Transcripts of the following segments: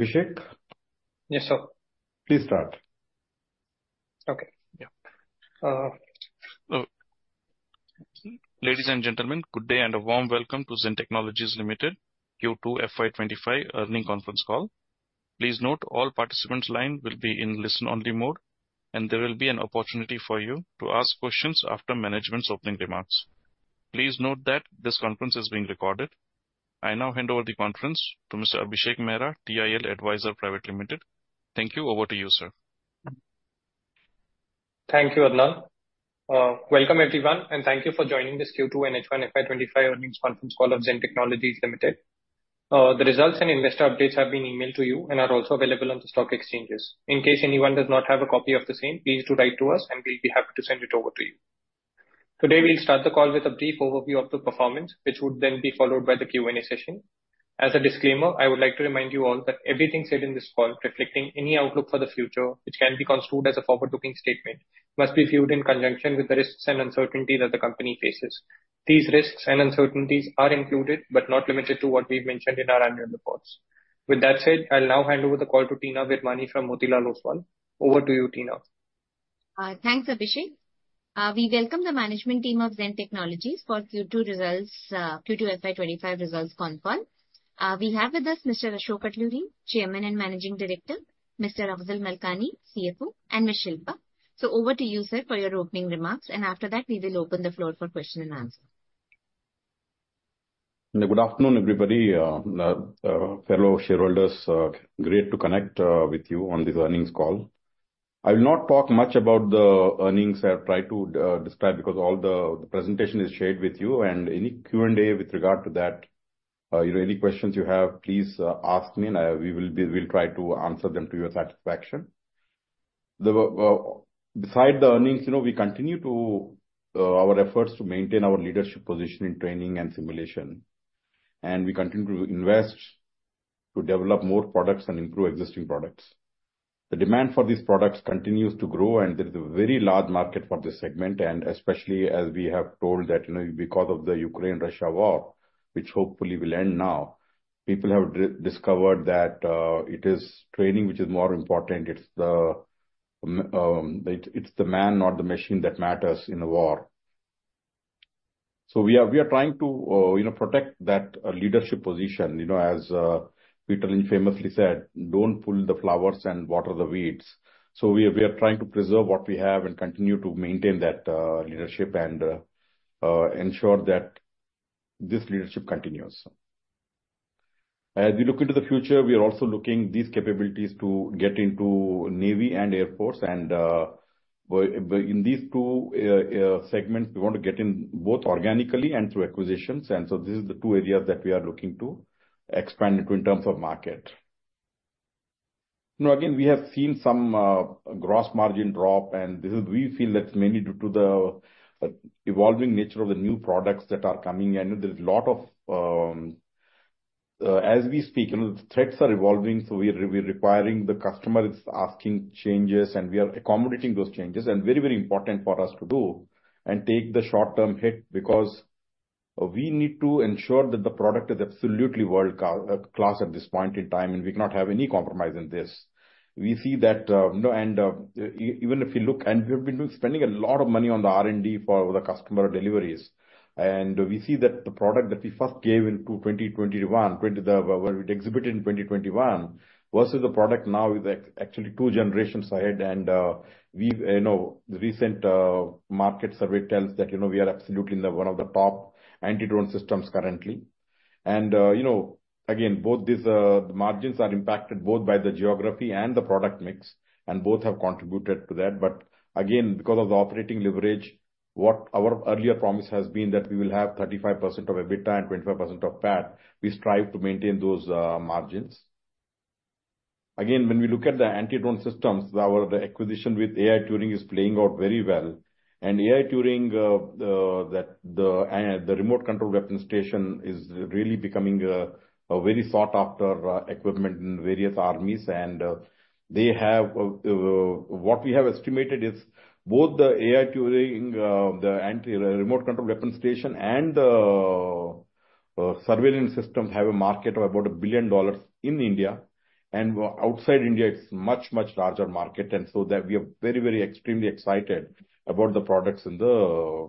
Vishek. Yes sir. Please start. Okay. Ladies and gentlemen, good day and a warm welcome to Zen Technologies Limited Q2FY25 earnings conference call. Please note all participants' lines will be in listen-only mode and there will be an opportunity for you to ask questions after management's opening remarks. Please note that this conference is being recorded. I now hand over the conference to Mr. Abhishek Mehra, TIL Advisors Private Limited. Thank you. Over to you, sir. Thank you, Arnav. Welcome everyone and thank you for joining this Q2FY25 earnings conference call of Zen Technologies Limited. The results and investor updates have been emailed to you and are also available on the stock exchanges. In case anyone does not have a copy of the same, please do write to us and we'll be happy to send it over to you today. We'll start the call with a brief overview of the performance which would then be followed by the Q and A session. As a disclaimer, I would like to remind you all that everything said in this call reflecting any outlook for the future which can be construed as a forward-looking statement must be viewed in conjunction with the risks and uncertainty that the company faces. These risks and uncertainties are included but not limited to what we've mentioned in our annual reports. With that said, I'll now hand over the call to Tina Virmani from Motilal Oswal. Over to you, Tina. Thanks, Abhishek. We welcome the management team of Zen Technologies for Q2 results. Q2 FY25 results call. We have with us Mr. Ashok Atluri, Chairman and Managing Director, Mr. Afzal Malkani, CFO, and Ms. Shilpa. So over to you, sir, for your opening remarks, and after that we will open the floor for question and answer. Good afternoon everybody. Fellow shareholders, great to connect with you on this earnings call. I will not talk much about the earnings I have tried to describe because all the presentation is shared with you and any Q&A with regard to that, you know, any questions you have, please ask me and we'll try to answer them to your satisfaction. Besides the earnings, you know, we continue to our efforts to maintain our leadership position in training and simulation and we continue to invest to develop more products and improve existing products. The demand for these products continues to grow and there is a very large market for this segment. And especially as we have told that, you know, because of the Ukraine, Russia war which hopefully will end now, people have discovered that it is training which is more important. It's the. It's the man, not the machine that matters in a war. So we are trying to, you know, protect that leadership position. You know, as Peter Lynch famously said, don't pull the flowers and water the weeds. So we are trying to preserve what we have and continue to maintain that leadership and ensure that this leadership continues. As we look into the future, we are also looking these capabilities to get into Navy and Air Force. And in these two segments we want to get in both organically and through acquisitions. And so this is the two areas that we are looking to expand into in terms of market. You know, again we have seen some gross margin drop and this is, we feel that's mainly due to the evolving nature of the new products that are coming. I know there's a lot of, as we speak, you know, threats are evolving. So we're requiring the customer is asking changes and we are accommodating those changes and very, very important for us to take the short-term hit because we need to ensure that the product is absolutely world class at this point in time. And we cannot have any compromise in this. We see that even if you look and we've been spending a lot of money on the R&D for the customer deliveries and we see that the product that we first gave in 2021, we exhibited in 2021 versus the product now is actually two generations ahead. And we, you know, the recent market survey tells that you know, we are absolutely one of the top anti-drone systems currently. And you know, again, both these margins are impacted both by the geography and the product mix and both have contributed to that. But again because of the operating leverage, what our earlier promise has been that we will have 35% of EBITDA and 25% of PAT. We strive to maintain those margins. Again, when we look at the anti-drone systems, our acquisition with AI Turing is playing out very well. And AI Turing, the remote control weapon station is really becoming a very sought-after equipment in various armies. And they have what we have estimated is both the AI Turing, the anti-drone remote control weapon station and the surveillance systems have a market of about $1 billion in India and outside India it's much, much larger market. And so we are very, very extremely excited about the products in the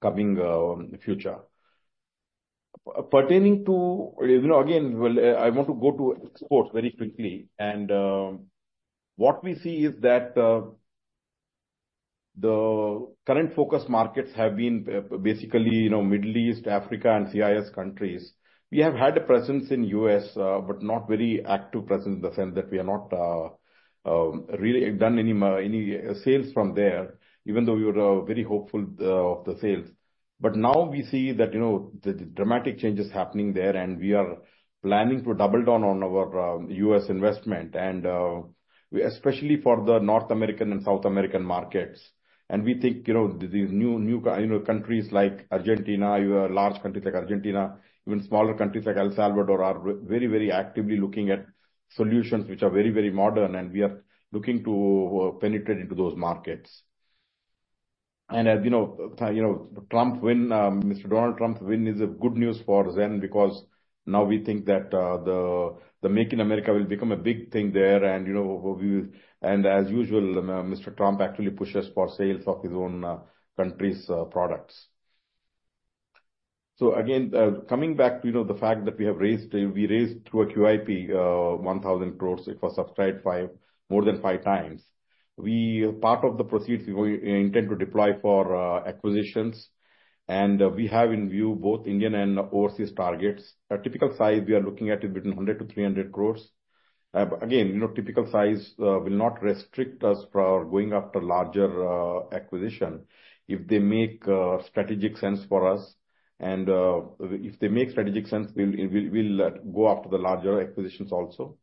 coming future pertaining to, you know, again, well, I want to go to exports very quickly. What we see is that the current focus markets have been basically, you know, Middle East, Africa, and CIS countries. We have had a presence in the U.S. but not a very active presence in the sense that we are not really done any sales from there, even though we were very hopeful of the sales. But now we see that, you know, the dramatic changes happening there and we are planning to double down on our U.S. investment and we especially for the North American and South American markets and we think, you know, these new, you know, countries like Argentina, large countries like Argentina, even smaller countries like El Salvador are very, very actively looking at solutions which are very, very modern. And we are looking to penetrate into those markets. And as you know, you know, Trump win. Mr. Donald Trump's win is good news for Zen because now we think that the make in America will become a big thing there. And you know, we, and as usual, Mr. Trump actually pushes for sales of his own country's products. So again, coming back to, you know, the fact that we have raised, we raised through a QIP 1,000 crores. It was subscribed five more than five times. We part of the proceeds we intend to deploy for acquisitions. We have in view both Indian and overseas targets. A typical size we are looking at is between 100-300 crores. Again, you know, typical size will not restrict us for going after larger acquisition. If they make strategic sense for us and if they make strategic sense, we'll go after the larger acquisitions also.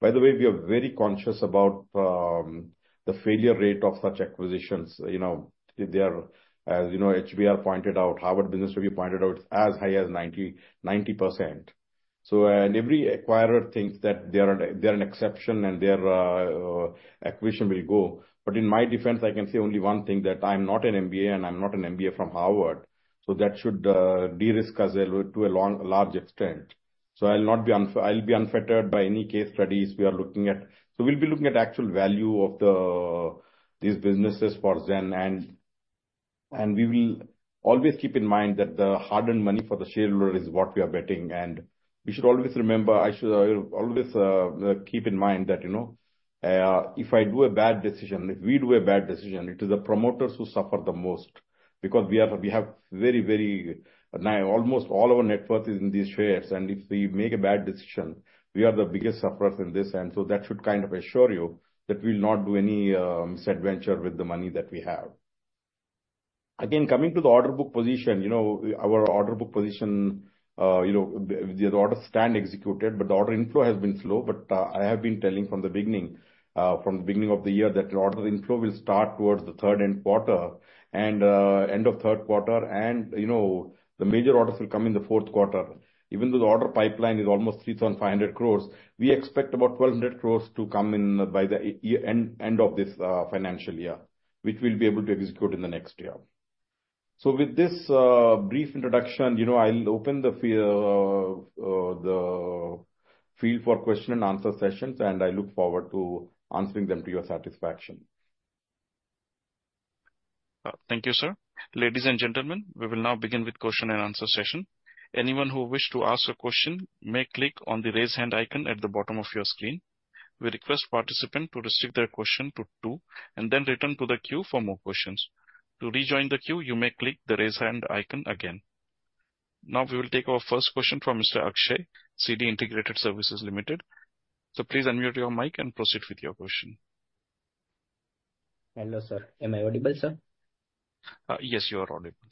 By the way, we are very conscious about the failure rate of such acquisitions. You know, they are as you know, HBR pointed out, Harvard Business Review pointed out as high as 90%. Every acquirer thinks that they are, they're an exception and their acquisition will go. But in my defense, I can say only one thing, that I'm not an MBA and I'm not an MBA from Harvard. So that should de-risk us to a large extent. I'll not be bound. I'll be unfettered by any case studies. We are looking at, so we'll be looking at actual value of these businesses for Zen. And we will always keep in mind that the hard-earned money for the shareholder is what we are betting. We should always remember. I should always keep in mind that, you know, if I do a bad decision, if we do a bad decision, it is the promoters who suffer the most because we have very, very, almost all our net worth is in these shares. And if we make a bad decision, we are the biggest sufferers in this. That should kind of assure you that we will not do any misadventure with the money that we have. Again, coming to the order book position, you know, our order book position. You know the orders stand executed, but the order inflow has been slow. But I have been telling from the beginning, from the beginning of the year that the order inflow will start towards the end of the third quarter and end of third quarter. And you know the major orders will come in the fourth quarter. Even though the order pipeline is almost 3,500 crores, we expect about 1,200 crores to come in by the end of this financial year which we'll be able to execute in the next year. So with this brief introduction, you know, I'll open the floor for question and answer sessions and I look forward to answering them to your satisfaction. Thank you, sir. Ladies and gentlemen, we will now begin with question and answer session. Anyone who wishes to ask a question may click on the raise hand icon at the bottom of your screen. We request participants to restrict their question to two and then return to the queue for more questions. To rejoin the queue, you may click the raise hand icon again. Now we will take our first question from Mr. Akshay CD Integrated Services Limited, so please unmute your mic and proceed with your question. Hello sir. Am I audible, sir? Yes, you are audible.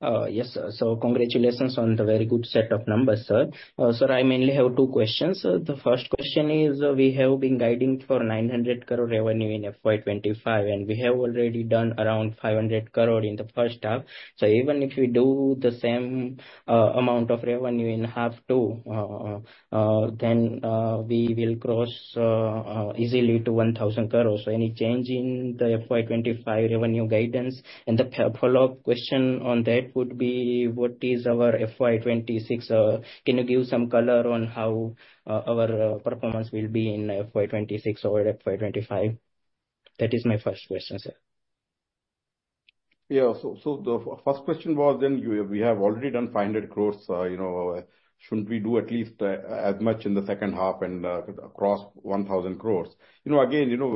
Yes. So congratulations on the very good set of numbers, sir. Sir, I mainly have two questions. The first question is we have been guiding for 900 crore revenue in FY25 and we have already done around 500 crore in the first half. So even if we do the same amount of revenue in half two then we will cross easily to 1,000 crores. So any change in the FY25 revenue guidance and the follow up question on that would be what is our FY26? Can you give some color on how our performance will be in FY26 or FY25? That is my first question, sir. Yeah, so, the first question was, "Then you, we have already done 500 crores, you know, shouldn't we do at least as much in the second half and across 1,000 crores?" You know, again, you know,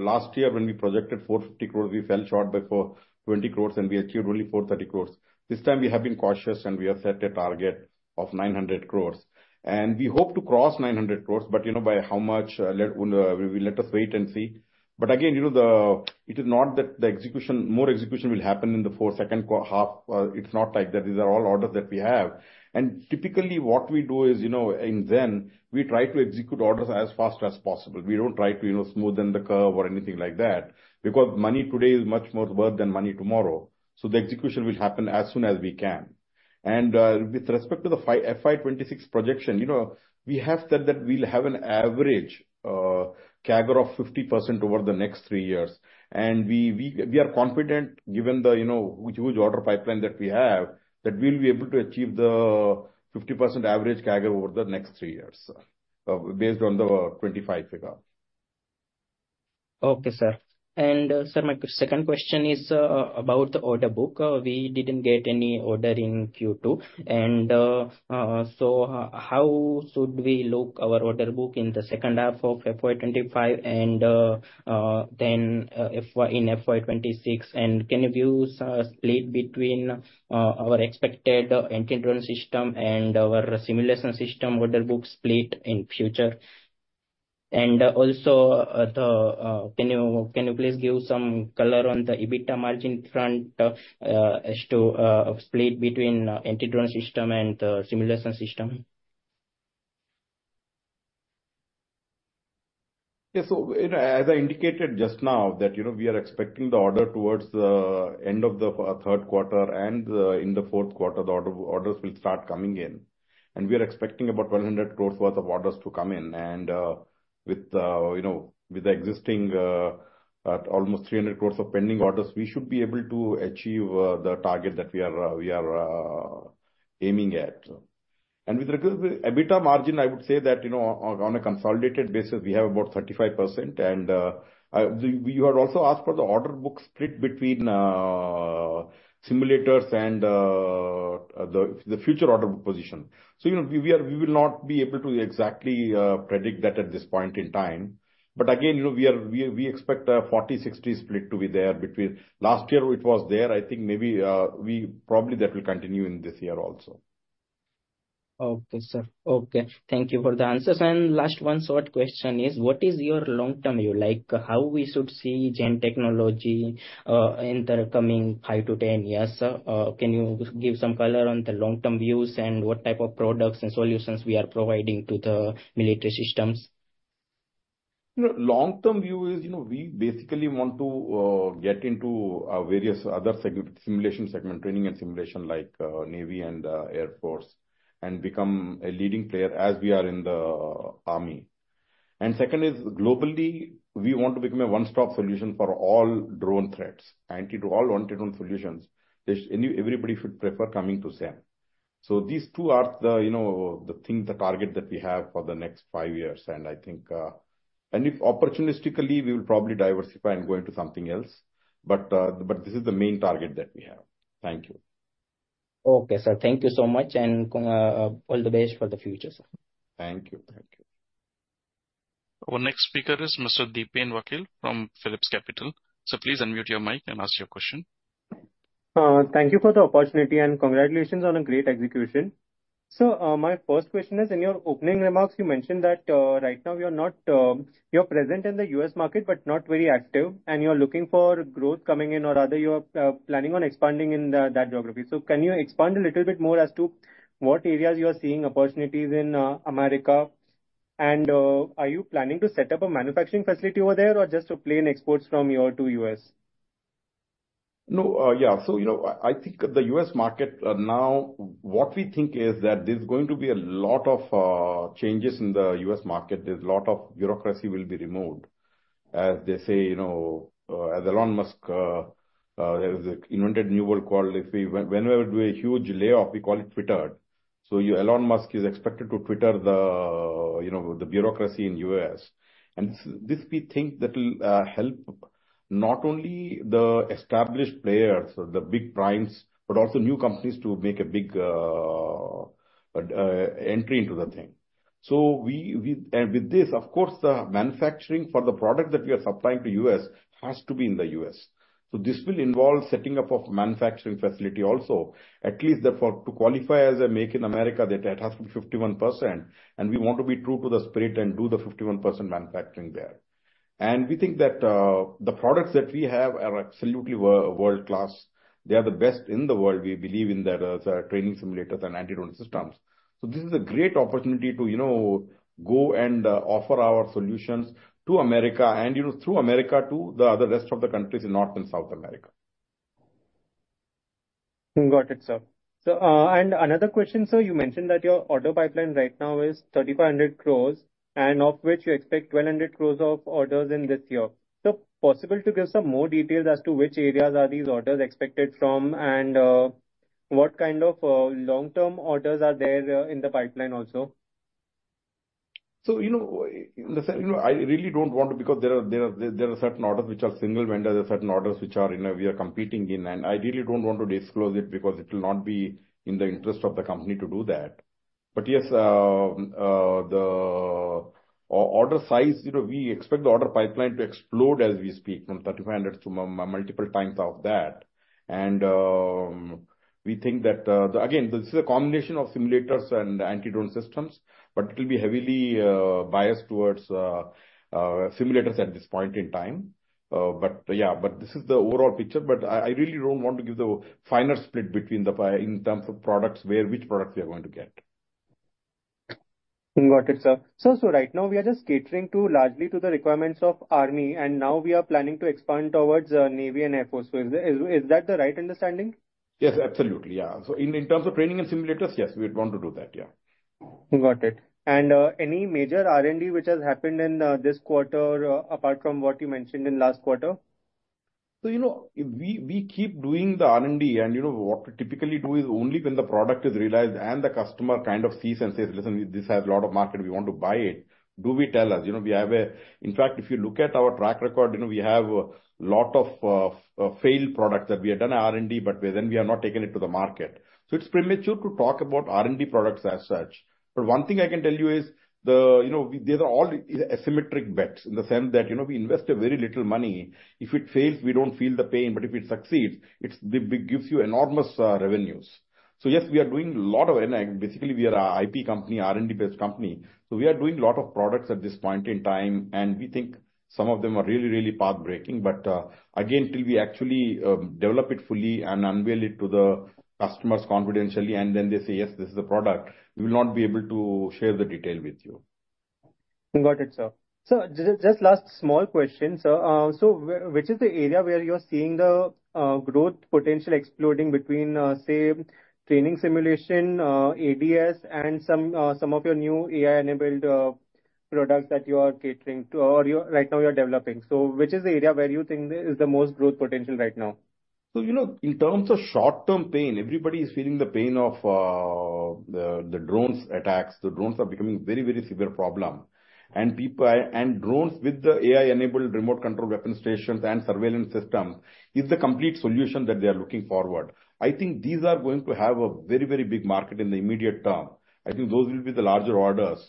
last year when we projected 450 crores, we fell short before 20 crores and we achieved only 430 crores. This time we have been cautious and we have set a target of 900 crores, and we hope to cross 900 crores. But, you know, by how much? Let us wait and see. But again, it is not that the execution, more execution will happen in the fourth second half. It's not like that. These are all orders that we have, and typically what we do is in Zen, we try to execute orders as fast as possible. We don't try to smoothen the curve or anything like that because money today is much more worth than money tomorrow, so the execution will happen as soon as we can, and with respect to the FY26 projection we have said that we'll have an average CAGR of 50% over the next three years, and we are confident given the you know, huge order pipeline that we have that we'll be able to achieve the 50% average CAGR over the next three years based on the 25 figure. Okay, sir. Sir, my second question is about the order book. We didn't get any order in Q2, and so how should we look at our order book in FY25 and then in FY26? Can you provide the split between our expected anti-drone system and our simulation system order book split in future? Also, can you please give some color on the EBITDA margin front as to split between anti-drone system and simulation system? Yes. So as I indicated just now that we are expecting the order towards the end of the third quarter and in the fourth quarter the orders will start coming in and we are expecting about 1,200 crores worth of orders to come in. And with you know with the existing almost 300 crores of pending orders we should be able to achieve the target that we are aiming at. And with regard to EBITDA margin I would say that you know on a consolidated basis we have about 35%. And you had also asked for the order book split between simulators and the future order book position. So you know we are, we will not be able to exactly predict that at this point in time. But again, you know, we are. We expect 40, 60 split to be there between last year. It was there. I think maybe we probably that will continue in this year also. Okay, sir. Okay, thank you for the answers, and last one short question is what is your long-term view like how we should see Zen Technologies in the coming five to 10 years. Can you give some color on the long-term views and what type of products and solutions we are providing to the military systems? You know, long-term view is, you know, we basically want to get into various other simulation segment training and simulation like Navy and Air Force and become a leading player as we are in the Army. And second is globally. We want to become a one-stop solution for all drone threats. Anti-drone, all-in-one drone solutions. Everybody should prefer coming to Zen. So these two are the, you know, the thing, the target that we have for the next five years. And I think, and if opportunistically we will probably diversify and go into something else. But this is the main target that we have. Thank you. Okay, sir, thank you so much and all the best for the future, sir. Thank you. Thank you. Our next speaker is Mr. Dipen Vakil from PhillipCapital. So please unmute your mic and ask your question. Thank you for the opportunity and congratulations on a great execution. So my first question is in your opening remarks you mentioned that right now you're not present in the U.S. market but not very active and you're looking for growth coming in or rather you're planning on expanding in that geography. So can you expand a little bit more as to what areas you are seeing opportunities in America and are you planning to set up a manufacturing facility over there or just plain exports from yours to us? No. Yeah. So, you know, I think the U.S. market now what we think is that there's going to be a lot of changes in the U.S. market. There's a lot of bureaucracy will be removed as they say, you know, as Elon Musk there is invented new world quality whenever do a huge layoff. We call it Twitter. So you, Elon Musk is expected to Twitter the, you know, the bureaucracy in U.S. and this we think that will help not only the established players, the big primes, but also new companies to make a big entry into the thing. So we and with this of course the manufacturing for the product that we are supplying to us has to be in the U.S. So this will involve setting up of manufacturing facility also. At least, therefore, to qualify as a Make in America, that it has to be 51% and we want to be true to the spirit and do the 51% manufacturing there. We think that the products that we have are absolutely world class. They are the best in the world. We believe in that training simulators and anti-drone systems. This is a great opportunity to, you know, go and offer our solutions to America and, you know, through America to the other rest of the countries in North and South America. Got it, sir. So and another question, so you mentioned that your order pipeline right now is 3,500 crores and of which you expect 1,200 crores of orders in this year. So possible to give some more details as to which areas are these orders expected from and what kind of long term orders are there in the pipeline also. So you know, I really don't want to because there are certain orders which are single vendors or certain orders which are, you know, we are competing in and I really don't want to disclose it because it will not be in the interest of the company to do that. But yes, the order size, you know we expect the order pipeline to explode as we speak from 3,500 multiple times of that and we think that again this is a combination of simulators and anti-drone systems but it will be heavily biased towards simulators at this point in time. But yeah, but this is the overall picture. But I really don't want to give the finer split between the. In terms of products where, which products we are going to get. Got it, sir. So, right now we are just catering largely to the requirements of Army and now we are planning to expand towards Navy and Air Force. So, is that the right understanding? Yes, absolutely, yeah. So in, in terms of training and simulators. Yes, we would want to do that. Yeah, got it. Any major R&D which has happened in this quarter, apart from what you mentioned in last quarter? So you know we keep doing the R&D and you know what we typically do is only when the product is realized and the customer kind of sees and says listen, this has market, we want to buy it. Do we tell us, you know we have a, in fact if you look at our track record, you know we have a lot of failed products that we had done R&D but then we have not taken it to the market. So it's premature to talk about R&D products as such. But one thing I can tell you is the, you know these are all asymmetric bets in the sense that you know, we invest a very little money. If it fails, we don't feel the pain but if it succeeds it's give you enormous revenues. So yes, we are doing a lot of basically we are an IP company, R&D based company. So we are doing a lot of products at this point in time and we think some of them are really, really path-breaking. But again till we actually develop it fully and unveil it to the customers confidentially and then they say yes, this is the product we will not be able to share the detail with. You got it, sir. So just last small question. Which is the area where you're seeing the growth potential exploding between say training simulation ads and some of your new AI-enabled products that you are catering to or you right now you're developing? So which is the area where you think is the most growth potential right now? So you know, in terms of short-term pain, everybody is feeling the pain of the drone attacks. The drones are becoming very, very severe problem, and countering drones with the AI-enabled remote-controlled weapon stations and surveillance systems is the complete solution that they are looking. I think these are going to have a very, very big market in the immediate term. I think those will be the larger orders.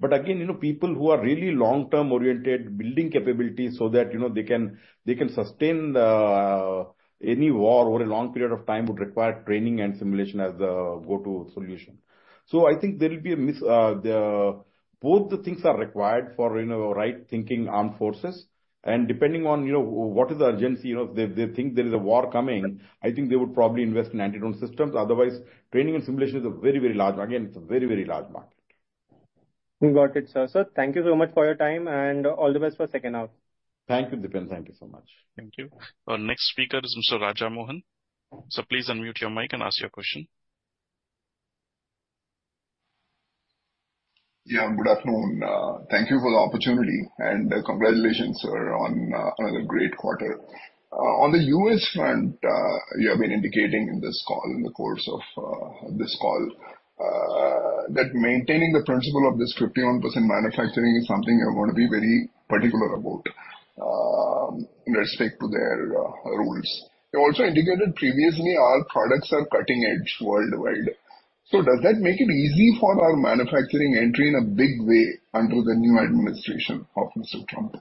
But again, you know, people who are really long-term oriented building capabilities so that they can sustain any war over a long period of time would require training and simulation as the go-to solution. So I think there will be a mix. Both the things are required for right-thinking armed forces, and depending on the urgency they think there is a war coming. I think they would probably invest in anti-drone systems. Otherwise, training and simulation is a very, very large market. Again, it's a very, very large market. Got it, sir. So thank you so much for your time and all the best for second half. Thank you Dean, thank you so much. Thank you. Our next speaker is Mr. Rajamohan. So please unmute your mic and ask your question. Yeah, good afternoon. Thank you for the opportunity and congratulations sir on another great quarter on the US front. You have been indicating in this call, in the course of this call that maintaining the principle of this 51% manufacturing is something you're going to be very particular about in respect to their rules. You also indicated previously our products are cutting edge worldwide. So does that make it easy for our manufacturing entry in a big way under the new administration of Mr. Trump?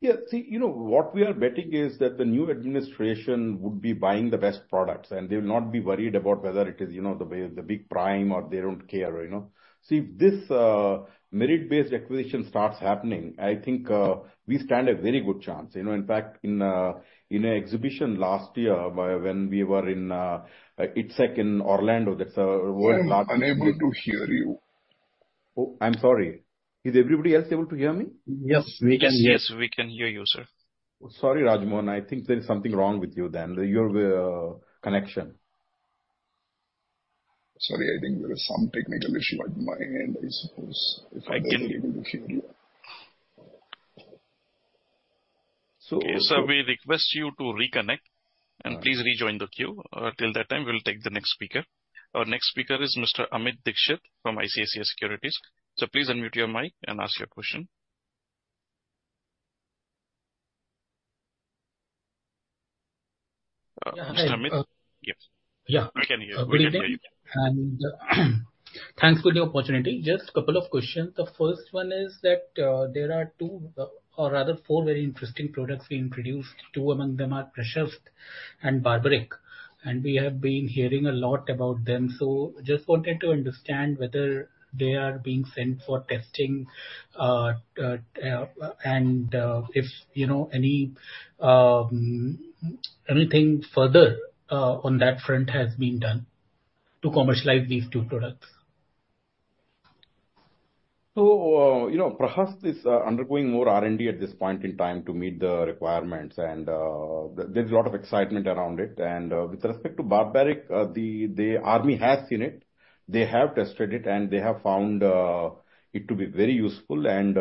Yeah, see you know what we are betting is that the new administration would be buying the best products and they will not be worried about whether it is, you know, the big prime or they don't care. You know, see if this merit based acquisition starts happening, I think we stand a very good chance. You know, in fact, in an exhibition last year when we were in ITSEC in Orlando. That's a world I'm unable to hear you. Oh, I'm sorry, is everybody else able to hear me? Yes, yes, yes, we can hear you sir. Sorry, Rajamohan, I think there is something wrong with your connection. Sorry, I think there is some technical issue at my end, I suppose if I can. So we request you to reconnect and please rejoin the queue. Till that time we'll take the next speaker. Our next speaker is Mr. Amit Dixit from ICICI Securities. So please unmute your mic and ask your question. Yes. Yeah, thanks for the opportunity. Just a couple of questions. The first one is that there are two, or rather four very interesting products we introduced. Two among them are Prahasta and Barbarik. And we have been hearing a lot about them. So just wanted to understand whether they are being sent for testing and if you know anything further on that front has been done to commercialize these two products. So you know Prahasta is undergoing more R&D at this point in time to meet the requirements and there's a lot of excitement around it. And with respect to Barbarik, the army has seen it, they have tested it and they have found it to be very useful and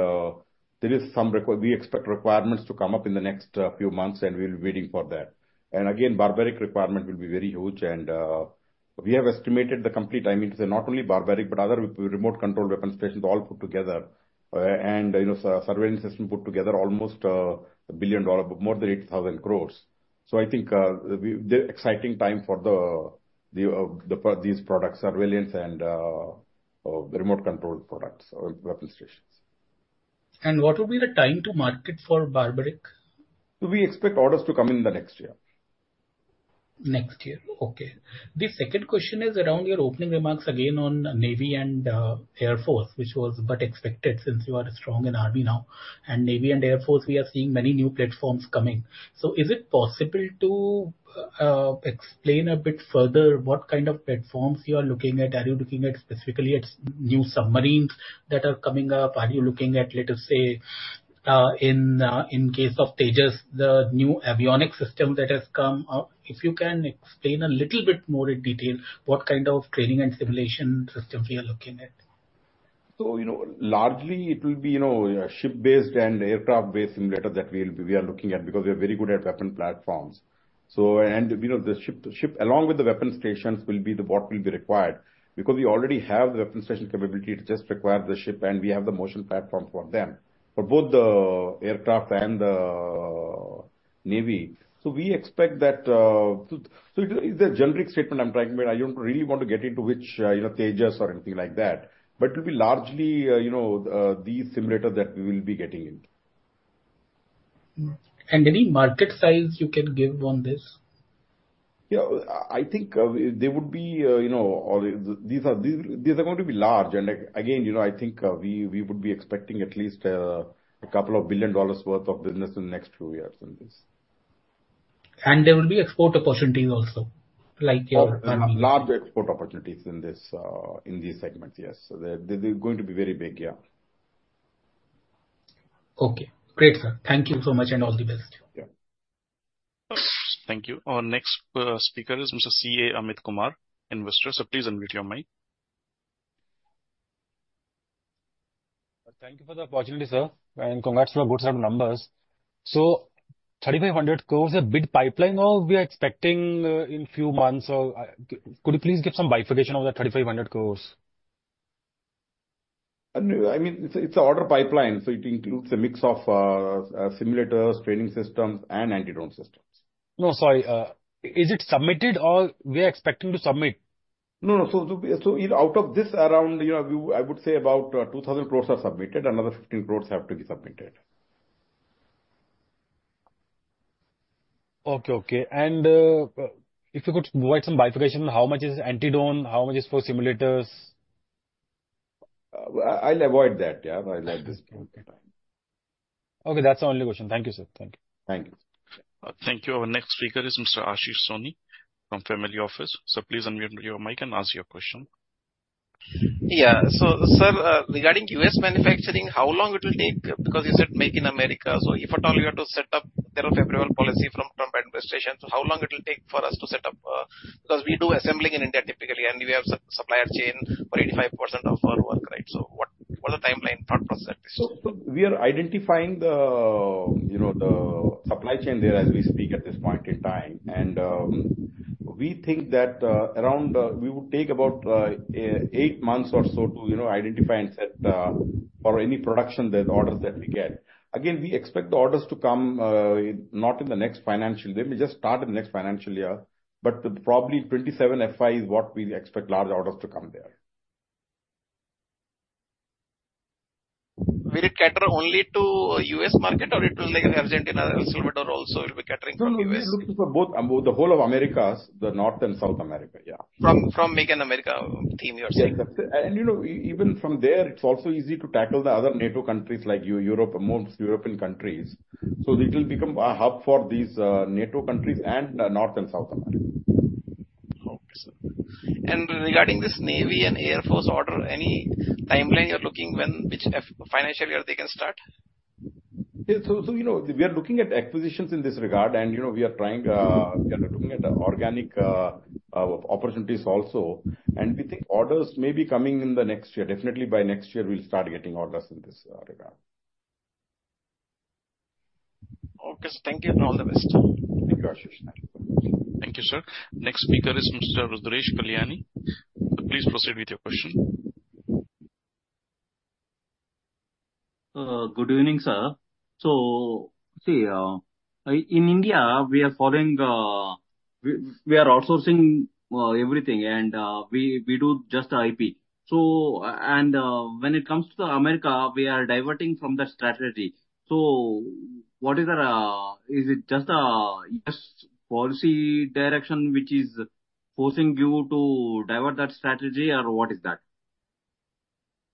there is some. We expect requirements to come up in the next few months and we'll be waiting for that. And again Barbarik requirement will be very huge and we have estimated the complete. I mean to say not only Barbarik but other remote control weapons stations all put together and you know surveillance system put together almost $1 billion, more than 8,000 crores. So I think the exciting time for these products surveillance and the remote control products or weapons stations and what. Would be the time to market for Barbarik? Do we expect orders to come in the next year? Next year. Okay, the second question is around your opening remarks again on Navy and Air Force, which was but expected since you are strong in army now and Navy and Air Force. We are seeing many new platforms coming. So is it possible to explain a bit further what kind of platforms you are looking at? Are you looking at specifically at new submarines that are coming up? Are you looking at, let us say, in case of Tejas, the new avionics system that has come out. If you can explain a little bit more in detail what kind of training and simulation systems we are looking at. So, you know, largely it will be, you know, ship-based and aircraft-based simulators that we'll be looking at because we are very good at weapon platforms. So, and you know, the ship along with the weapon stations will be what will be required because we already have the weapons station capability. We just require the ship, and we have the motion platform for them for both the aircraft and the Navy. So we expect that. So, the generic statement I'm trying, but I don't really want to get into which, you know, Tejas or anything like that. But it will be largely, you know, these simulators that we will be getting in. Any market size you can give on this? Yeah, I think they would be, you know, these are going to be large and, again, you know, I think we would be expecting at least $2 billion worth of business in the next few years in this. There will be export opportunities also. Like your large export opportunities in this. In these segments. Yes, they're going to be very big. Yeah. Okay, great sir, thank you so much and all the best. Yeah. Thank you. Our next speaker is Mr. CA Amit Kumar, investor. So please unmute your mic. Thank you for the opportunity, sir, and. Congrats for good set of numbers. 3,500 crores, a big pipeline or we are expecting in few months. So could you please give some bifurcation of the 3,500 crores? I mean it's an order pipeline so it includes a mix of simulators, training systems and anti-drone systems. No, sorry. Is it submitted or we are expecting to submit? No, no. So, out of this around, you know, I would say about 2,000 crores are submitted. Another 15 crores have to be submitted. Okay. Okay. And if you could provide some bifurcation, how much is anti-drone? How much is for simulators? I'll avoid that. Yeah, I like this. Okay. That's the only question. Thank you sir. Thank you. Thank you. Thank you. Our next speaker is Mr. Ashish Soni from family office. So please unmute your mic and ask your question. Yeah. So sir, regarding U.S. Manufacturing, how long it will take because you said make in America. So if at all you have to set up their favorable policy from Trump administration. So how long it will take for us to set up because we do assembling in India typically and we have supply chain for 85% of our work. Right. So what was the timeline thought process at this? We are identifying the, you know, the supply chain there as we speak at this point in time. And we think that around we would take about eight months or so to, you know, identify and set for any production that orders that we get. Again, we expect the orders to come not in the next financial year. They may just start in the next financial year, but probably FY27 is what we expect large orders to come there. Will it cater only to U.S. market? Or it will, like, Argentina also will be catering from us both the whole of Americas, the North and South America. Yeah. From Make in America theme you're saying. You know, even from there it's also easy to tackle the other NATO countries like you Europe among European countries, so it will become a hub for these NATO countries and North and South America. Regarding this Navy and Air Force order, any timeline you're looking when, which financial year they can start? Yeah, so. You know we are looking at acquisitions in this regard and you know we are trying. We are looking at the organic opportunities also and we think orders may be coming in the next year. Definitely by next year we'll start getting orders in this regard. Okay, so thank you. All the best. Thank you, sir. Next speaker is Mr. Rudresh Kalyani. Please proceed with your question. Good evening, sir. So, see, in India we are following. We are outsourcing everything and we do just the IP. So, and when it comes to America, we are deviating from that strategy. So, what is it? Is it just a policy direction which is forcing you to deviate that strategy or what is that?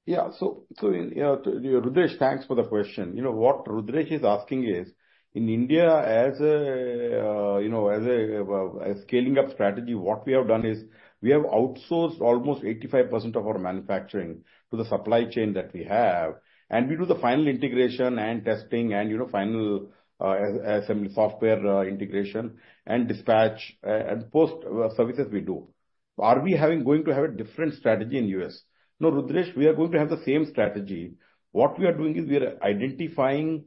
Yeah, so thanks for the question. You know, what Rudresh is asking is in India as a, you know, as a scaling up strategy, what we have done is we have outsourced almost 85% of our manufacturing to the supply chain that we have. And we do the final integration and testing and you know, final assembly, software integration and dispatch and post services. We do. Are we going to have a different strategy in the U.S.? No, Rudresh, we are going to have the same strategy. What we are doing is we are identifying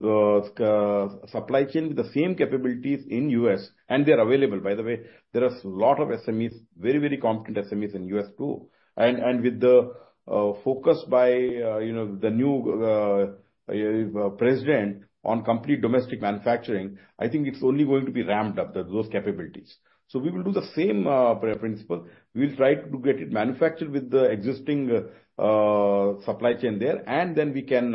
supply chain with the same capabilities in the U.S. and they are available. By the way, there are a lot of SMEs, very, very competent SMEs in the U.S. too. And with the focus by the new president on complete domestic manufacturing, I think it's only going to be ramped up those capabilities. So we will do the same principle. We will try to get it manufactured with the existing supply chain there and then we can,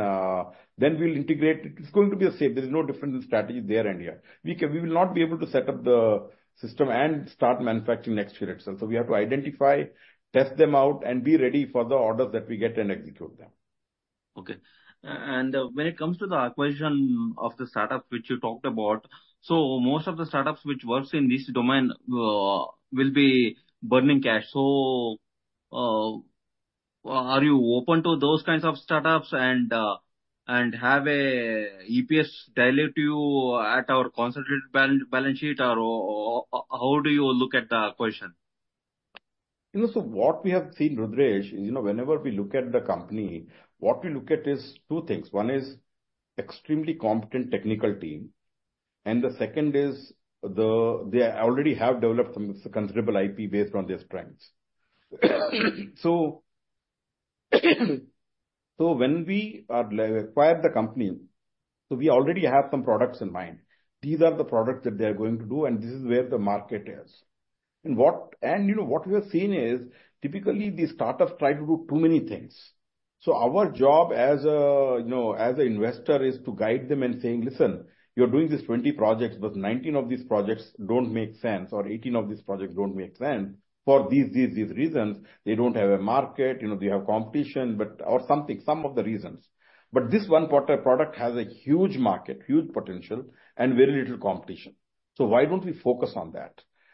then we'll integrate. It's going to be the same. There is no difference in strategy there. And here we will not be able to set up the system and start manufacturing next year itself. So we have to identify, test them out and be ready for the orders that we get and execute them. Okay. And when it comes to the acquisition of the startup which you talked about, so most of the startups which works in this domain will be burning cash. So are you open to those kinds of startups and have EPS dilution to your concentrated balance sheet or how do you look at the question? You know, so what we have seen, Rudresh, you know, whenever we look at the company, what we look at is two things. One is extremely competent technical team and the second is they already have developed some considerable IP based on their strengths. So when we acquire the company, so we already have some products in mind, these are the products that they are going to do and this is where the market is. And you know, what we have seen is typically these startups try to do too many things. So our job as a, you know, as an investor is to guide them and saying listen, you're doing this 20 projects but 19 of these projects don't make sense or 18 of these projects don't make sense for these reasons they don't have a market, you know, they have competition but, or something some of the reasons. But this one potent product has a huge market, huge potential and very little competition. So why don't we focus on that?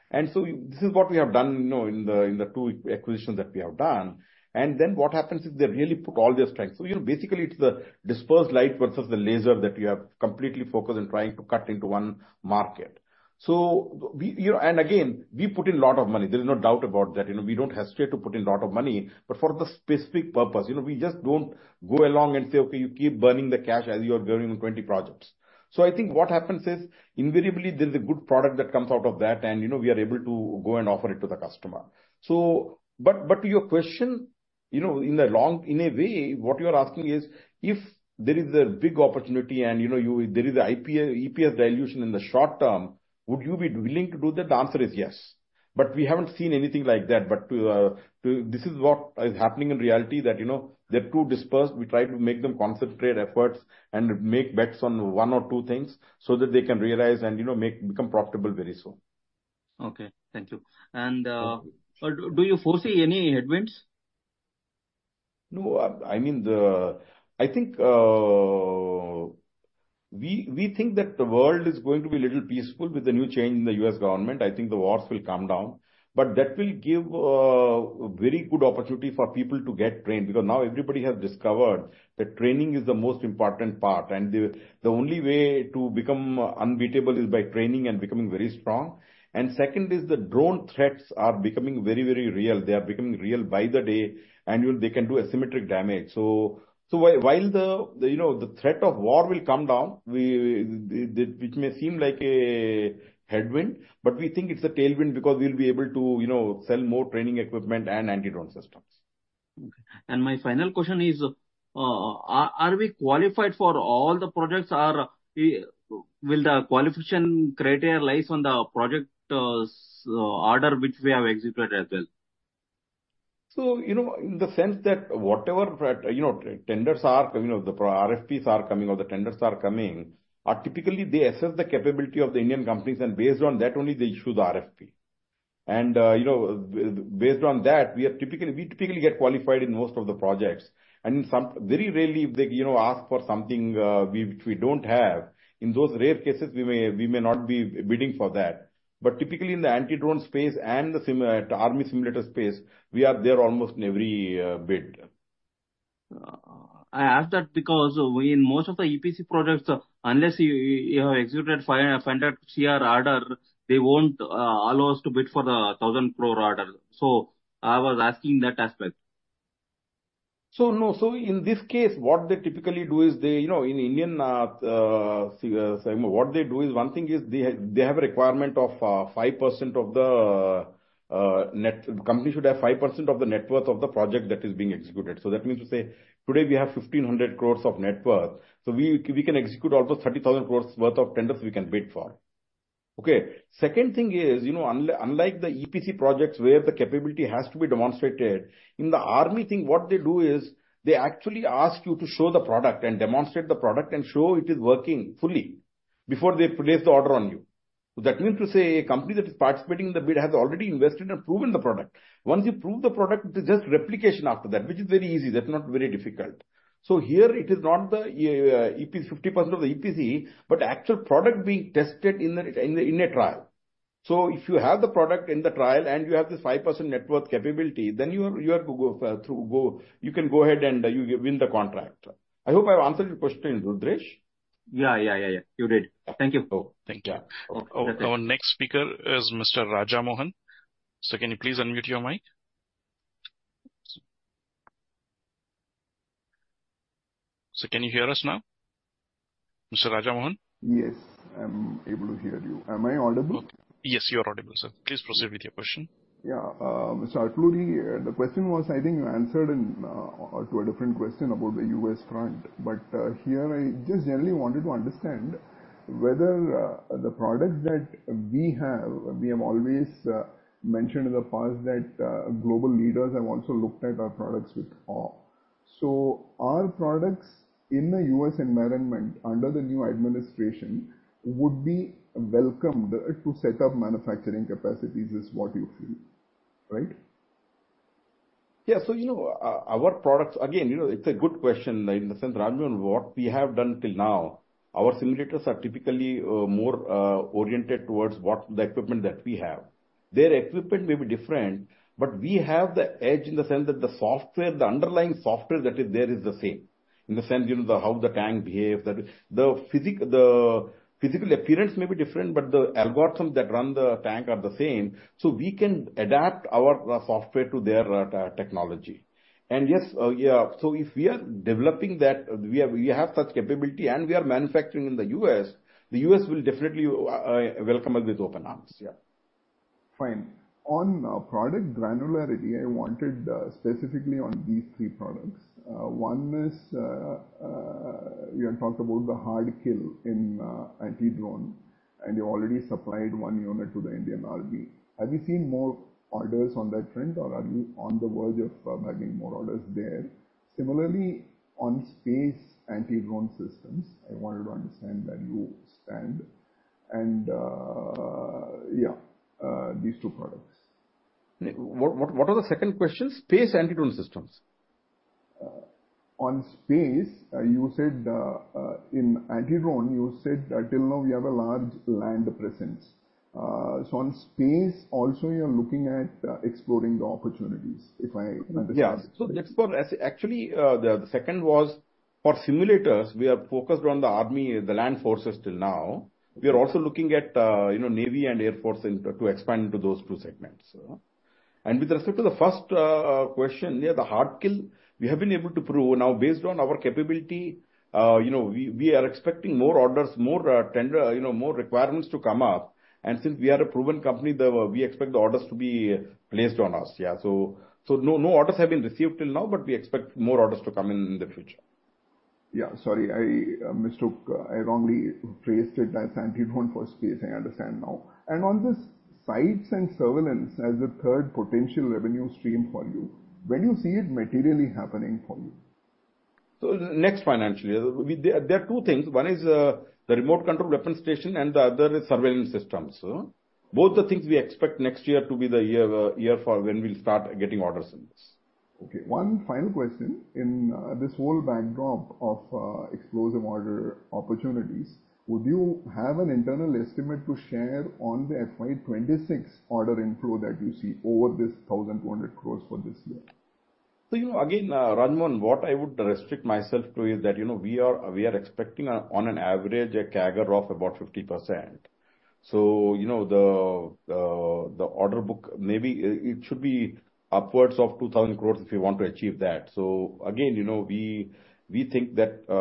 And so this is what we have done in the two acquisitions that we have done. And then what happens if they really put all their strengths? So basically it's the dispersed light versus the laser that you have completely focused on trying to cut into one market. And again we put in a lot of money. There is no doubt about that. We don't hesitate to put in a lot of money. But for the specific purpose, we just don't go along and say okay, you keep burning the cash as you are going on 20 projects. So I think what happens is invariably there's a good product that comes out of that and you know, we are able to go and offer it to the customer. So but, but to your question, you know, in the long, in a way what you are asking is if there is a big opportunity and you know you, there is an EPS dilution in the short term, would you be willing to do that? The answer is yes, but we haven't seen anything like that. But this is what is happening in reality that you know, they're too dispersed. We try to make them concentrate efforts and make bets on one or two things so that they can realize and you know, make become profitable very soon. Okay, thank you. And do you foresee any headwinds? No, I mean the, I think. We. We think that the world is going to be a little peaceful with the new change in the U.S. government. I think the wars will come down but that will give a very good opportunity for people to get trained because now everybody has discovered that training is the most important part. And the only way to become unbeatable is by training and becoming very strong. And second is the drone threats are becoming very, very real. They are becoming real by the day and they can do asymmetric damage. So while the, you know, the threat of war will come down, we, which may seem like a headwind, but we think it's a tailwind because we'll be able to you know, sell more training equipment and anti-drone systems. My final question is, are we qualified for all the projects? Or will the qualification criteria lie on the project order which we have executed as well. You know, in the sense that whatever tenders are coming or the RFPs are coming, they typically assess the capability of the Indian companies and based on that only they issue the RFP. You know, based on that we typically get qualified in most of the projects and some very rarely if they, you know, ask for something which we don't have. In those rare cases we may not be bidding for that. But typically in the anti-drone space and the army simulator space, we are there almost in every bid. I ask that because, in most of the EPC projects, unless you have exhibited prior crore order, they won't allow us to bid for the thousand crore order. So I was asking that aspect. No. In this case what they typically do is they, you know, in India, what they do is one thing is they have a requirement of 5% of the net worth. The company should have 5% of the net worth of the project that is being executed. That means today we have 1,500 crores of net worth. So we can execute almost 30,000 crores worth of tenders we can bid for. Okay. Second thing is, you know, unlike the EPC projects where the capability has to be demonstrated in the army thing, what they do is they actually ask you to show the product and demonstrate the product and show it is working fully before they place the order on you. That means a company that is participating in the bid has already invested and proven the product. Once you prove the product, just replication after that, which is very easy, that's not very difficult. So here it is not the EPC, 50% of the EPC but actual product being tested in the trial. So if you have the product in the trial and you have this 5% net worth capability, then you are, you have to go through, you can go ahead and you win the contract. I hope I've answered your question. Yeah, yeah, yeah, yeah, you did. Thank you. Thank you. Our next speaker is Mr. Rajamohan. So can you please unmute your mic? So can you hear us now, Mr. Rajamohan? Yes, I'm able to hear you. Am I audible? Yes, you are audible. Sir, please proceed with your question. Yeah, Mr. Atluri, the question was, I think you answered to a different question about the U.S. front. But here I just generally wanted to understand whether the products that we have, we have always mentioned in the past that global leaders have also looked at our products, so our products in the U.S. environment under the new administration would be welcomed to set up manufacturing capacities is what you feel, right? Yeah. So you know our products again you know it's a good question. In the sense remind me on what we have done till now. Our simulators are typically more oriented towards what the equipment that we have. Their equipment may be different but we have the edge in the sense that the software, the underlying software that is there is the same in the sense how the tank behaves. The physical appearance may be different but the algorithm that run the tank are the same. So we can adapt our software to their technology and yes, so if we are developing that we have such capability and we are manufacturing in the US. The US will definitely welcome us with open arms. Fine. On product granularity, I wanted specifically on these three products. One is you talked about the hard kill in anti-drone and you already supplied one unit to the Indian Army. Have you seen more orders on that front or are you on the verge of having more orders there? Similarly on space anti-drone systems, I wanted to understand that you and. And yeah, these two products, what are the second question? Space anti-drone systems. On space you said in anti-drone you said till now we have a large land presence. So on space also you're looking at exploring the opportunities if I understand. Actually the second was for simulators. We are focused on the Army, the land forces. Till now we are also looking at, you know, Navy and Air Force to expand into those two segments. And with respect to the first question on the Hard Kill we have been able to prove now based on our capability, you know we are expecting more orders, more tenders, you know, more requirements to come up. And since we are a proven company, we expect the orders to be placed on us. Yeah, so. So no orders have been received till now but we expect more orders to come in in the future. Yeah, sorry, I misspoke. I wrongly phrased it as anti-drone for space. I understand now, and on sights and surveillance as the third potential revenue stream for you when you see it materially happening for you. So next financially there are two things. One is the remote control weapon station and the other is surveillance systems. Both the things we expect next year to be the year for when we'll start getting orders in this. Okay, one final question. In this whole backdrop of explosive order opportunities, would you have an internal estimate to share on the FY26 order inflow that you see over this 1,200 crores for this y ear? So you know again Ranmon, what I would restrict myself to is that you know we are expecting on an average a CAGR of about 50%. So you know the order book, maybe it should be upwards of 2,000 crores if you want to achieve that. So again, you know we think that the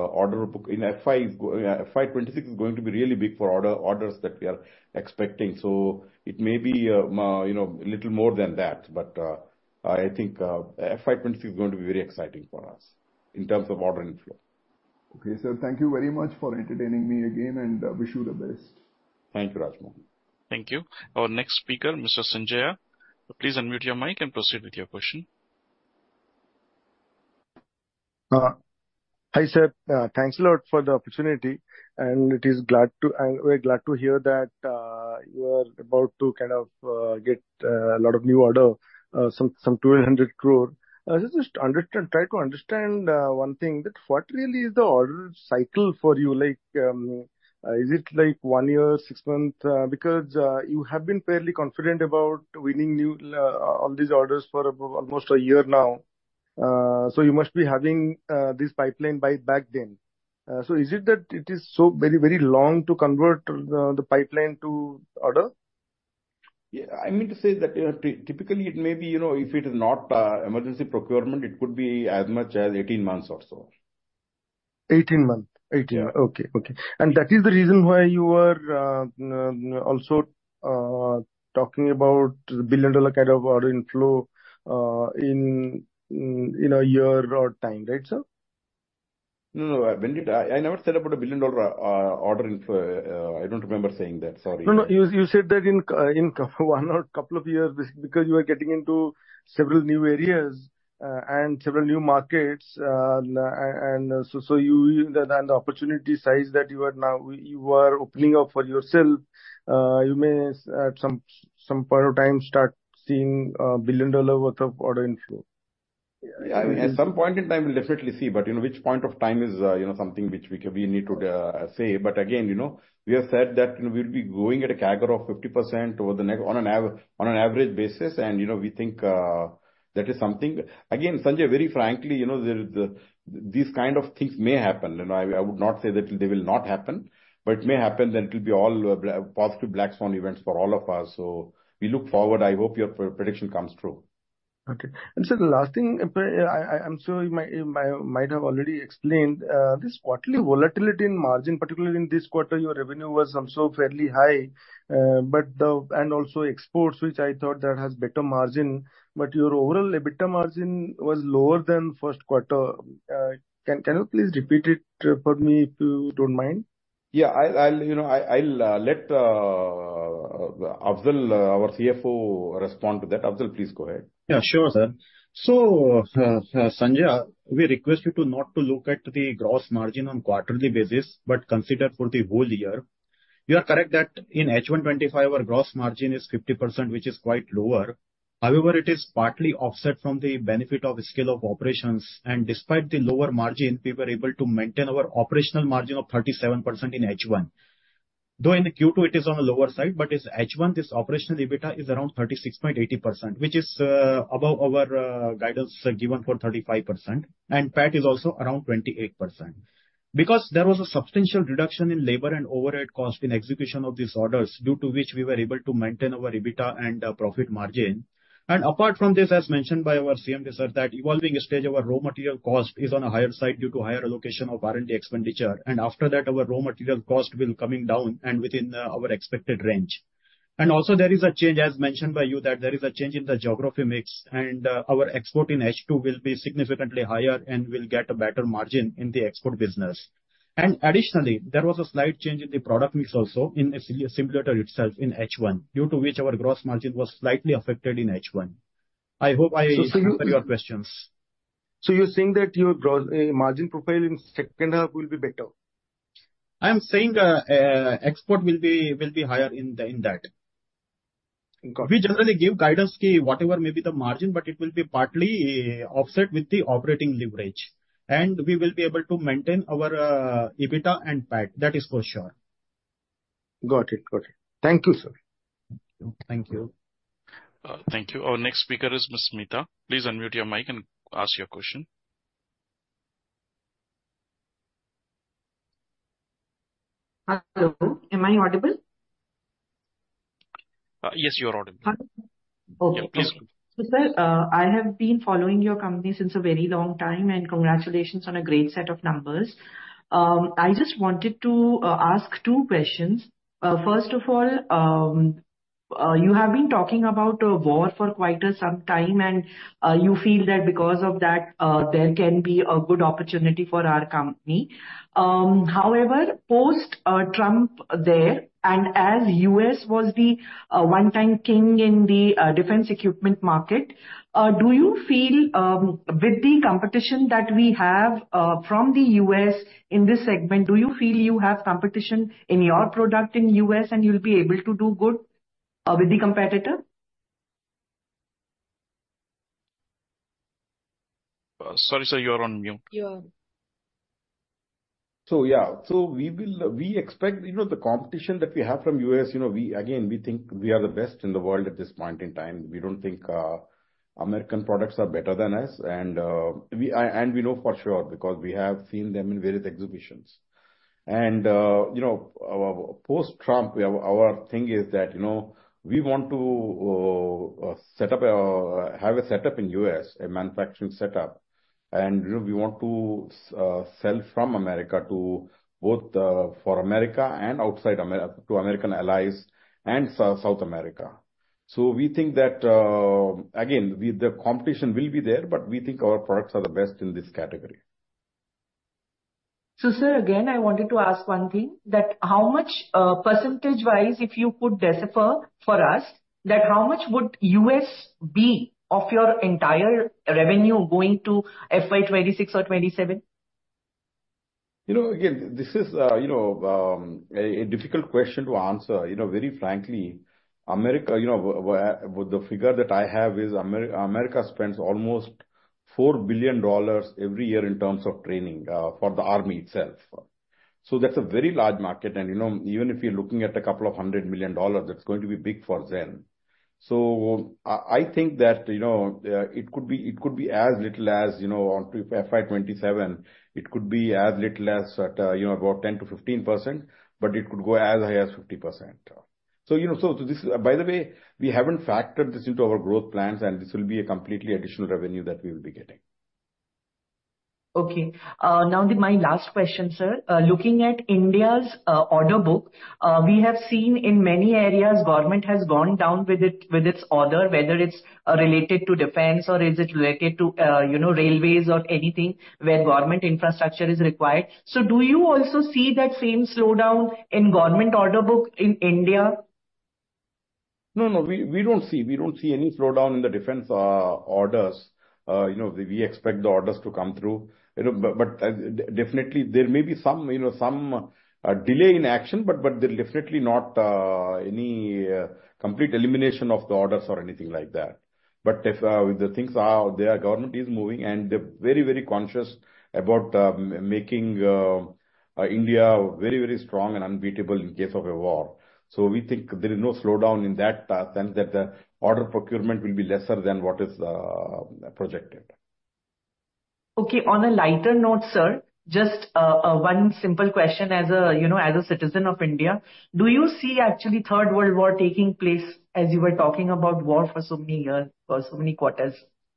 order book in FY26 is going to be really big for orders that we are expecting. So it may be, you know, a little more than that. But I think FY25 is going to be very exciting for us in terms of order inflow. Okay sir, thank you very much for entertaining me again and wish you the best. Thank you Rajamohan. Thank you. Our next speaker, Mr. Sanjay. Please unmute your mic and proceed with your question. Hi, sir, thanks a lot for the opportunity, and it is glad to. And we're glad to hear that you. are about to kind of get a lot of new orders. Some 200 crores. Just understand, try to understand one thing that what really is the order cycle for you? Like is it like one year, six months? Because you have been fairly confident about winning new all these orders for almost a year now. So you must be having this pipeline from back then. So is it that it is so very, very long to convert the pipeline to order. Yeah, I mean to say that typically it may be, you know, if it is not emergency procurement it could be as much as 18 months or so. 18 months. 18. Okay. Okay. That is the reason why you are also talking about $1 billion kind of order inflow in a year. Our time, right sir? No, no, I mean I never said about a $1 billion ordering. I don't remember saying that. Sorry. No, no, you said that in one or you are getting into several new areas and several new markets. And so, you and the opportunity size that you are now, you are opening up for yourself. You may at some point of time start seeing $1 billion worth of order inflow. At some point in time we'll definitely see but you know, which point of time is, you know, something which we need to say. But again, you know we have said that we'll be going at a CAGR of 50% over the next on an average basis. And you know, we think that is something. Again, Sanjay, very frankly, you know the. These kind of things may happen and I would not say that they will not happen but it may happen that it will be all positive black swan events for all of us, so we look forward. I hope your prediction comes true. Okay, and so the last thing, I'm sure you might have already explained this quarterly volatility in margin. Particularly in this quarter your revenue was some so fairly high. But the. And also, exports, which I thought that has better margin. But your overall EBITDA margin was lower than first quarter. Can. Can you please repeat it for me if you don't mind? Yeah, you know, I'll let Afzal, our CFO, respond to that. Afzal, please go ahead. Yeah, sure sir. Sanjay, we request you not to look at the gross margin on quarterly basis, but consider for the whole year. You are correct that in H125 our gross margin is 50% which is quite lower. However, it is partly offset from the benefit of scale of operations. Despite the lower margin, we were able to maintain our operational margin of 37% in H1. Though in Q2 it is on a lower side. But in H1, this operational EBITDA is around 36.80% which is above our guidance given for 35%. PAT is also around 28% because there was a substantial reduction in labor and overhead cost in execution of these orders due to which we were able to maintain our EBITDA and profit margin. Apart from this, as mentioned by our CMD sir, the evolving stage of our raw material cost is on a higher side due to higher allocation of R&D expenditure. After that our raw material cost will come down and within our expected range. Also there is a change as mentioned by you that there is a change in the geography mix and our export in H2 will be significantly higher and we'll get a better margin in the export business. Additionally there was a slight change in the product mix also in simulator itself in H1 due to which our gross margin was slightly affected in H1. I hope I answered your questions. So you're saying that your gross margin profile in second half will be better? I am saying export will be higher in that we generally give guidance key whatever may be the margin but it will be partly offset with the operating leverage and we will be able to maintain our EBITDA and PAT, that is for sure. Got it. Thank you, sir. Thank you. Thank you. Our next speaker is Ms. Mita. Please unmute your mic and ask your question. Hello. Am I audible? Yes, you are audible please. I have been following your company since a very long time and congratulations on a great set of numbers. I just wanted to ask two questions. First of all, you have been talking about a war for quite some time and you feel that because of that there can be a good opportunity for our company. However, post Trump there and as U.S. was the one time king in the defense equipment market, do you feel with the competition that we have from the U.S. in this segment, do you feel you have competition in your product in U.S. and you'll be able to do good with the competitor? Sorry, sir, you're on mute. You are. Yeah, we expect, you know, the competition that we have from the US. You know, we think we are the best in the world. At this point in time, we don't think American products are better than us. We know for sure because we have seen them in various exhibitions. You know, post-Trump, our thing is that, you know, we want to set up a manufacturing setup in the US, and we want to sell from America to both for America and outside America, to American allies and South America. We think that the competition will be there, but we think our products are the best in this category. Sir, again, I wanted to ask one thing. That how much percentage wise, if you could decipher for us that how much would US be of your entire revenue going to FY 26 or 27? You know, again, this is, you know, a difficult question to answer. You know, very frankly, America, you know, the figure that I have is America spends almost $4 billion every year in terms of training for the army itself. So that's a very large market. And you know, even if you're looking at a couple of hundred million dollars, that's going to be big for Zen. So I think that, you know, it could be, it could be as little as, you know, FY27, it could be as little as, you know, about 10%-15%, but it could go as high as 50%. So, you know, so this is, by the way, we haven't factored this into our growth plans and this will be a completely additional revenue that we will be getting. Okay, now my last question, sir. Looking at India's order book, we have seen in many areas government has gone down with it, with its order, whether it's related to defense or is it related to, you know, railways or anything where government infrastructure is required. So do you also see that same slowdown in government order book in India? No, we don't see any slowdown in the defense orders. You know, we expect the orders to come through, you know, but definitely there may be some delay in action. But they're definitely not any complete elimination of the orders or anything like that, but the thing is, their government is moving and they're very, very conscious about making India very, very strong and unbeatable in case of a war. So we think there is no slowdown in that sense that the order procurement will be lesser than what is projected. Okay. On a lighter note, sir, just one simple question. As a, you know, as a citizen of India, do you see actually Third World War taking place as you were talking about war for so many years, for so many quarters.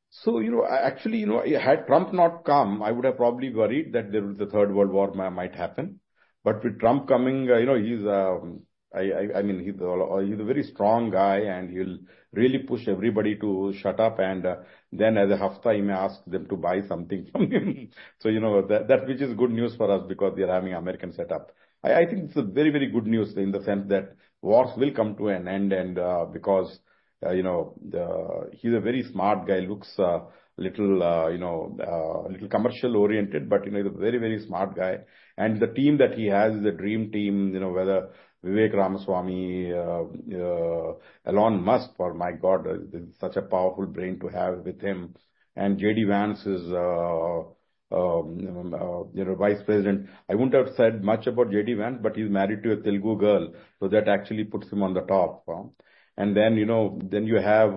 So you know, actually, you know, had Trump not come, I would have probably worried that there was a third world war might happen. But with Trump coming, you know, he's, I, I mean he's a very strong guy and he'll really push everybody to shut up and then after that he may ask them to buy something from him. So, you know, that, that which is good news for us because they are having American setup. I, I think it's a very, very good news in the sense that, that wars will come to an end and because, you know, he's a very smart guy, looks a little, you know, a little commercial oriented but you know, very, very smart guy. And the team that he has, the dream team, you know, whether Vivek Ramaswamy, Elon Musk or my God, such a powerful brain to have with him. J.D. Vance is, you know, Vice President. I wouldn't have said much about J.D. Vance, but he's married to a Telugu girl so that actually puts him on the top. Then, you know, then you have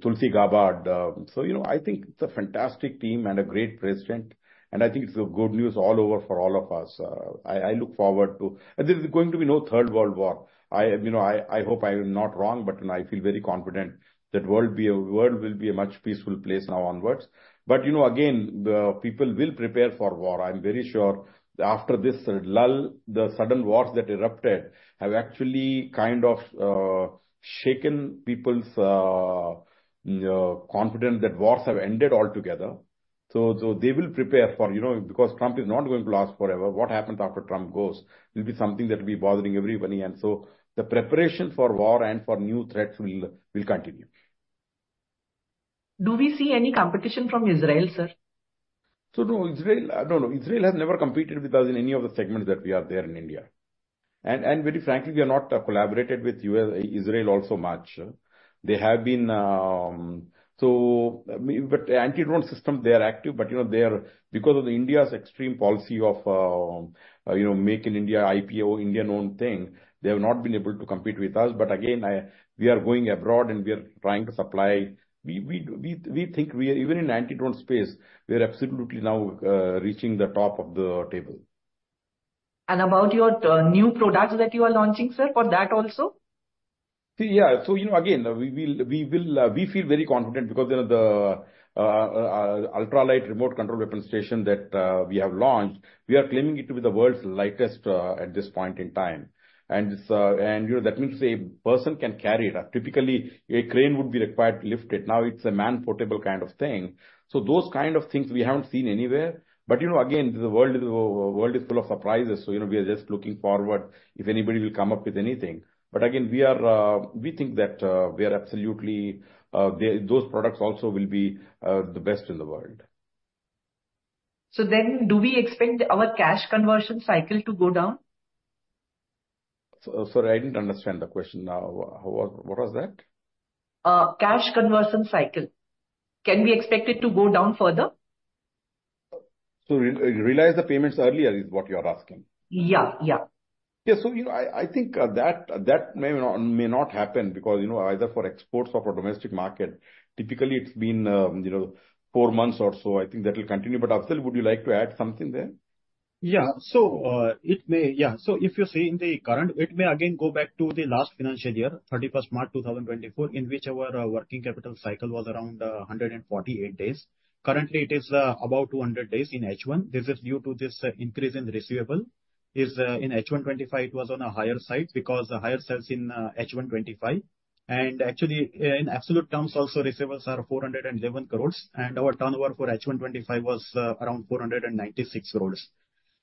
Tulsi Gabbard. So, you know, I think it's a fantastic team and a great president and I think it's good news all over for all of us. I look forward to, and this is going to be no third World War. You know, I hope I am not wrong but you know, I feel very confident that the world will be a much peaceful place now onwards. But you know, again the people will prepare for war. I'm very sure after this lull, the sudden wars that erupted have actually kind of shaken people's confidence that wars have ended altogether. They will prepare for, you know, because Trump is not going to last forever. What happens after Trump goes will be something that will be bothering everybody. And so the preparation for war and for new threats will continue. Do we see any competition from Israel, sir? So no Israel, I don't know. Israel has never competed with us in any of the segments that we are there in India. And very frankly we are not collaborated with U.S. Israel also much they have been so. But anti-drone system they are active but you know they are because of India's extreme policy of you know, Make in India, IPO, Indian own thing they have not been able to compete with us. But again I. We are going abroad and we are trying to supply. We. We think we are even in anti-drone space. We are absolutely now reaching the top of the table. And about your new products that you are launching, sir, for that also. Yeah. So you know again we will, we will, we feel very confident because you know the ultralight remote control weapons station that we have launched, we are claiming it to be the world's lightest at this point in time. And that means a person can carry it. Typically a crane would be required to lift it. Now it's a man portable kind of thing. So those kind of things we haven't seen anywhere. But you know again the world. The world is full of surprises. So you know we are just looking forward if anybody will come up with anything. But again we are, we think that we are absolutely those products also will be the best in the world. So then do we expect our cash conversion cycle to go down? Sorry, I didn't understand the question now. What was that cash conversion cycle? Can we expect it to go down further? So realize the payments earlier is what you are asking? Yeah, yeah, yeah. You know, I think that may not happen because you know either for exports or for domestic market typically it's been you know, four months or so. I think that will continue. But Afzal, would you like to add something there? So if you see in the current, it may again go back to the last financial year, 31st March 2024 in which our working capital cycle was around 148 days. Currently it is about 200 days in H1 FY25. This is due to this increase in receivables in H1 FY25. It was on a higher side because the higher sales in H1 FY25 and actually in absolute terms also receivables are 411 crores. And our turnover for H1 FY25 was around 496 crores.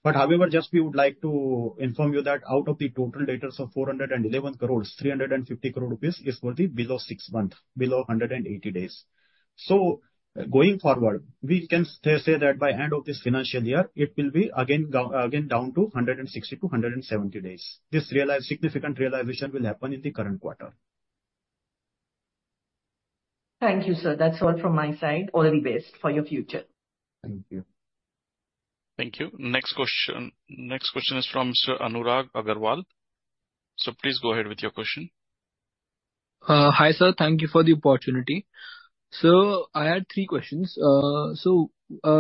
But however, just we would like to inform you that out of the total debtors of 411 crores 350 crore rupees is for the below six months below 180 days. So going forward we can say that by end of this financial year it will be again down to 160 to 170 days. This significant realization will happen in the current quarter. Thank you sir. That's all from my side. All the best for your future. Thank you. Thank you. Next question. Next question is from Mr. Anurag Agarwal. So please go ahead with your question. Hi sir. Thank you for the opportunity. So I had three questions. So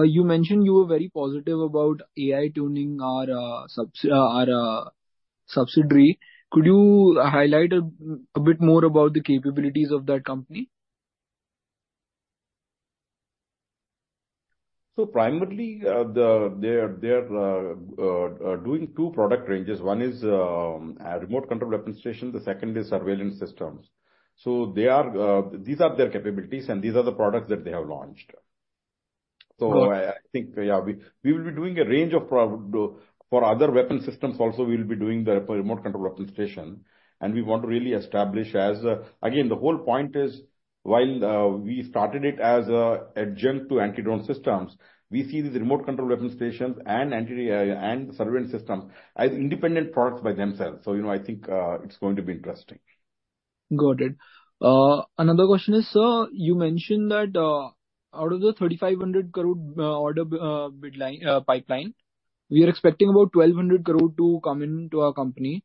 you mentioned you were very positive about AI Turing our subsidiary. Could you highlight a bit more about the capabilities of that company? So primarily they are doing two product ranges. One is remote control weapons station, the second is surveillance systems. These are their capabilities and these are the products that they have launched. I think we will be doing a range of products for other weapon systems. Also we will be doing the remote control weapons station. And we want to really establish as. Again the whole point is while we started it as adjunct to anti-drone systems we see these remote control weapon stations and anti-drone and surveillance systems as independent products by themselves. You know, I think it is going to be interesting. Got it. Another question is, sir, you mentioned that out of the 3,500 crore order pipeline we are expecting about 1,200 crore to come into our company.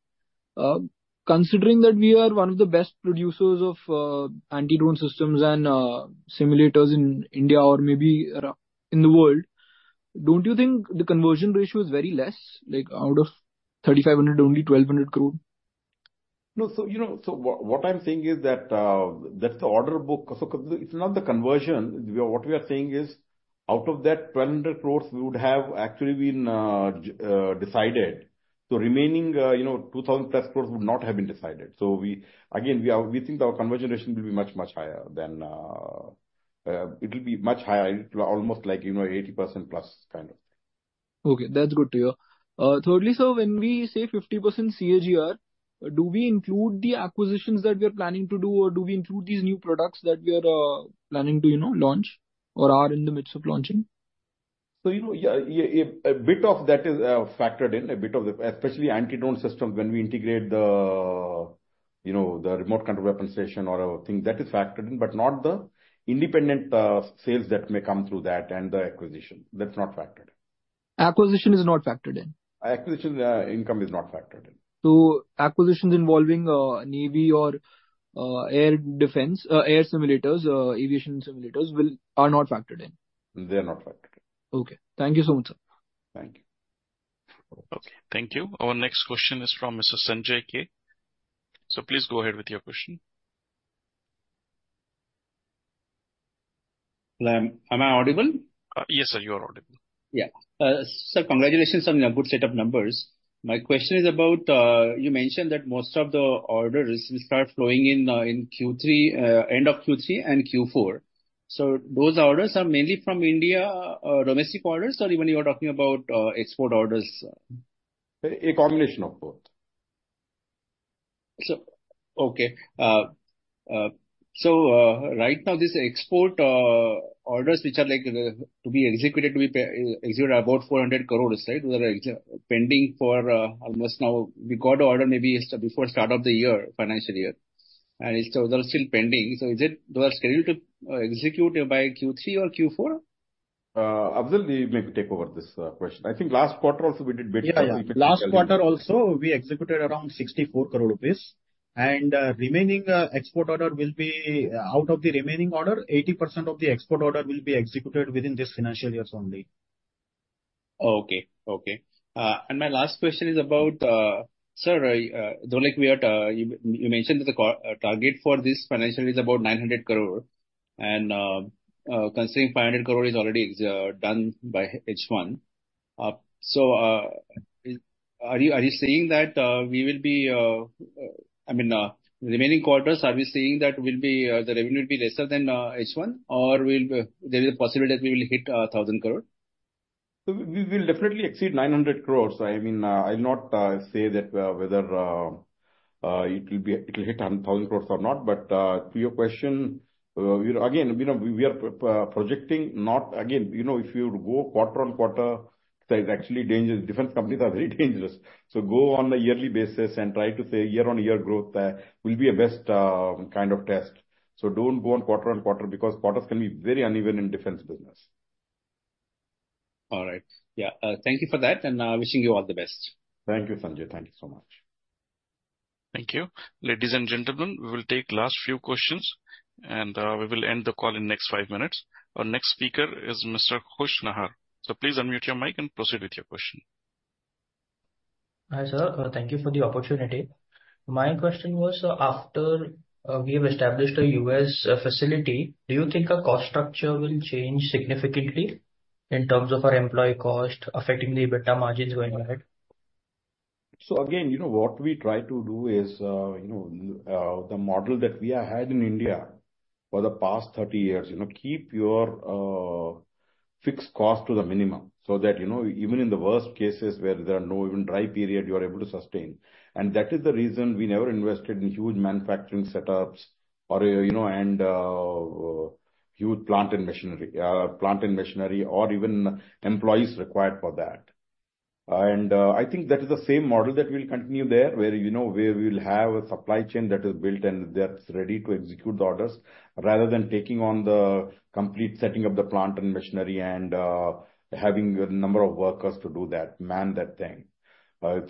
Considering that we are one of the best producers of anti-drone systems and simulators in India or maybe in the world, don't you think the conversion ratio is very less? Like out of 3,500, only 1,200 crore. No. So, you know, what I'm saying is that that's the order book. It's not the conversion. What we are saying is out of that 1,200 crores would have actually been decided. So remaining, you know, 2,000 plus crores would not have been decided. So we again are, we think our conversion will be much, much higher than. It will be much higher. Almost like, you know, 80% plus kind of thing. Okay, that's good to hear. Thirdly, so when we say 50 CAGR, do we include the acquisitions that we are planning to do or do we include these new products that we are planning to, you know, launch or are in the midst of launching, so you know. Yeah, a bit of that is factored in. A bit of the especially anti-drone systems when we integrate the, you know, the remote control weapon station or thing that is factored in but not the independent sales that may come through that and the acquisition that's not factored. Acquisition is not factored in. Acquisition income is not factored in. Acquisitions involving navy or air defense, air simulators, aviation simulators are not factored in. They are not factored. Okay. Thank you so much, sir. Thank you. Okay, thank you. Our next question is from Mr. Sanjay K. So please go ahead with your question. Am I audible? Yes, sir, you are audible. Yeah, sir, congratulations on a good set of numbers. My question is about, you mentioned that most of the orders will start flowing in Q3 and Q4. So those orders are mainly from India domestic orders or even you are talking about export orders? A combination of both. Okay, so right now these export orders which are like to be executed, to be executed about 400 crores, right? Pending for almost a year now. We got the order maybe before the start of the financial year and it's totally pending. So is it those scheduled to execute by Q3 or Q4? Absolutely. Maybe take over this question. I think last quarter also we did. Yeah. Last quarter also we executed around 64 crore rupees and remaining export order will be out of the remaining order. 80% of the export order will be executed within this financial years only. Okay. Okay. And my last question is about sir, though like we are you mentioned that the target for this financial is about 900 crore. And considering 500 crore is already done by H1. So are you, are you saying that we will be. I mean remaining quarters. Are we seeing that will be the revenue will be lesser than H1 or will there is a possibility that we will hit a thousand crore. We will definitely exceed 900 crores. I mean, I'll not say that whether it will hit 1000 crores or not. But to your question, you know, we are projecting. You know if you go quarter on quarter, it is actually dangerous. Defense companies are very dangerous. So go on a yearly basis and try to say year on year growth will be the best kind of test. So don't go on quarter on quarter because quarters can be very uneven in defense business. Business. All right. Yeah. Thank you for that and wishing you all the best. Thank you, Sanjay. Thank you so much. Thank you. Ladies and gentlemen, we will take last few questions and we will end the call in next five minutes. Our next speaker is Mr. Kush Nahar. So please unmute your mic and proceed with your question. Hi sir. Thank you for the opportunity. My question was after we have established a U.S. facility, do you think a cost structure will change significantly in terms of our employee cost affecting the EBITDA margins going ahead? So again, you know what we try to do is, you know the model that we have had in India for the past 30 years you know, keep your fixed cost to the minimum so that you know, even in the worst cases where there are no even dry period, you are able to sustain. And that is the reason we never invested in huge manufacturing setups or you know, and huge plant and machinery or even employees required for that. And I think that is the same model that will continue there where, you know, where we'll have a supply chain that is built and that's ready to execute the orders rather than taking on the complete setting of the plant and machinery and having a number of workers to do that man, that thing.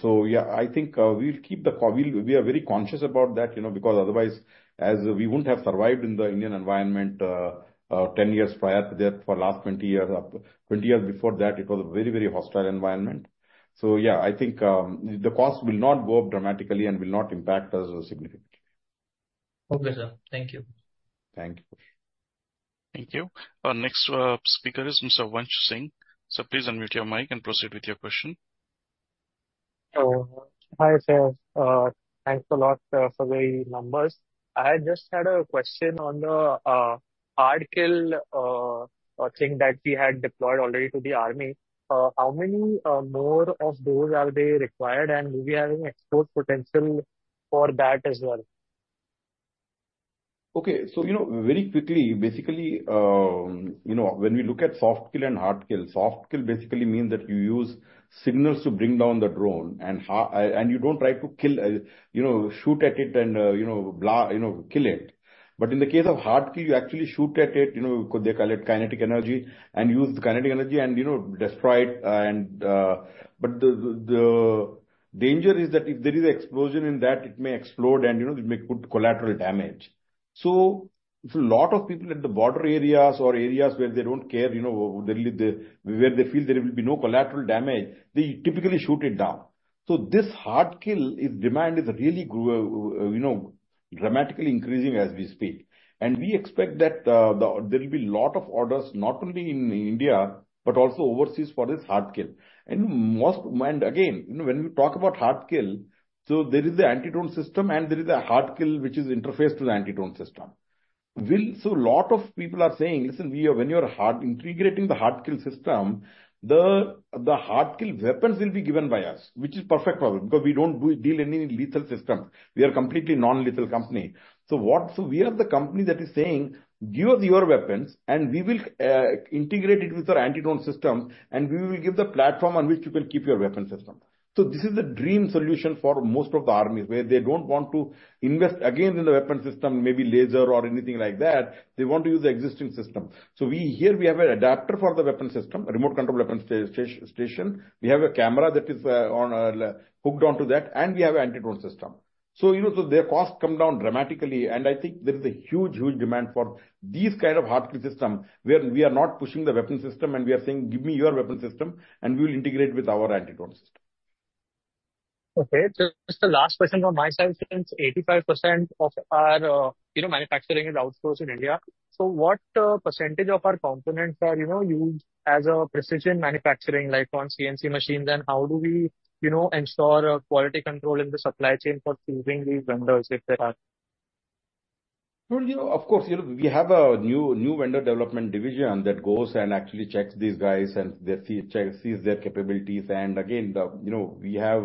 So yeah, I think we'll keep the. We are very conscious about that, you know, because otherwise as we wouldn't have survived in the Indian environment 10 years prior to that for last 20 years, 20 years before that, it was a very, very hostile environment. So yeah, I think the cost will not go up dramatically and will not impact us significantly. Okay sir, thank you, thank you, thank you. Our next speaker is Mr. Van Singh, so please unmute your mic and proceed with your question. Hi, thanks a lot for the numbers. I just had a question on the hard kill thing that we had deployed already to the army. How many more of those are they required, and will be having export potential for that as well? Okay, so you know, very quickly basically, you know, when we look at soft kill and hard kill software, soft kill basically means that you use signals to bring down the drone and you don't try to kill, you know, shoot at it and you know, blah, you know, kill it. But in the case of hard kill you actually shoot at it. You know, they call it kinetic energy and use the kinetic energy and you know, destroy it but the danger is that if there is explosion in that it may explode and you know, it may put collateral damage. So a lot of people at the border areas or areas where they don't care, you know, where they feel there will be no collateral damage, they typically shoot it down. So this hard kill is. Demand is really, you know, dramatically increasing as we speak and we expect that there will be lot of orders not only in India but also overseas for this hard kill. And again you know, when you talk about hard kill, so there is the anti-drone system and there is a hard kill which is interface to the anti-drone system. So lot of people are saying listen, we are, when you are hard integrating the hard kill system, the, the hard kill weapons will be given by us which is perfect because we don't deal in any lethal system. We are completely non-lethal company. So what? So we are the company that is saying give us your weapons and we will integrate it with our anti-drone systems and we will give the platform on which you can keep your weapon system. So this is the dream solution for most of the armies where they don't want to invest again in the weapon system, maybe laser or anything like that. They want to use the existing system. So we here have an adapter for the weapon system remote control weapon station. We have a camera that is hooked onto that and we have anti-drone system. So you know, so their cost come down dramatically and I think there is a huge, huge demand for these kind of hard-kill system where we are not pushing the weapon system and we are saying give me your weapon system and we will integrate with our anti-drone system. Okay, just the last question on my side. Since 85% of our, you know, manufacturing is outsourced in India. So what percentage of our components are, you know, used as a precision manufacturing like on CNC machines? And how do we, you know, ensure quality control in the supply chain for choosing these vendors? You know of course you know we have a new vendor development division that goes and actually checks these guys and they check their capabilities. And again you know we have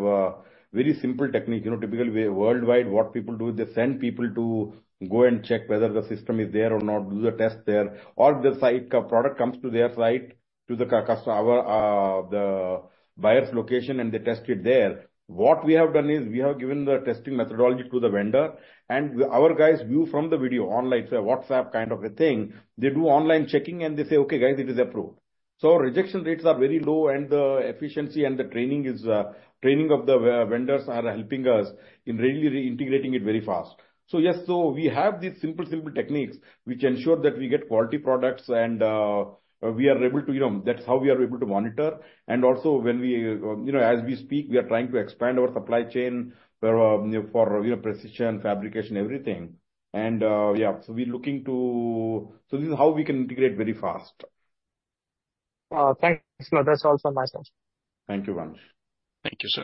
very simple technique. You know typically worldwide what people do they send people to go and check whether the system is there or not, do the test there or the site product comes to their site to the customer, or the buyer's location and they test it there. What we have done is we have given the testing methodology to the vendor and our guys view from the video online. So WhatsApp kind of a thing they do online checking and they say okay guys it is approved. So rejection rates are very low and the efficiency and the training of the vendors are helping us in really reintegrating it very fast. So yes, so we have these simple, simple techniques which ensure that we get quality products and we are able to, you know, that's how we are able to monitor, and also when we, you know, as we speak, we are trying to expand our supply chain for, you know, precision fabrication, everything. And yeah, so we're looking to. So this is how we can integrate very fast. Thanks. That's all from myself. Thank you. Thank you, sir.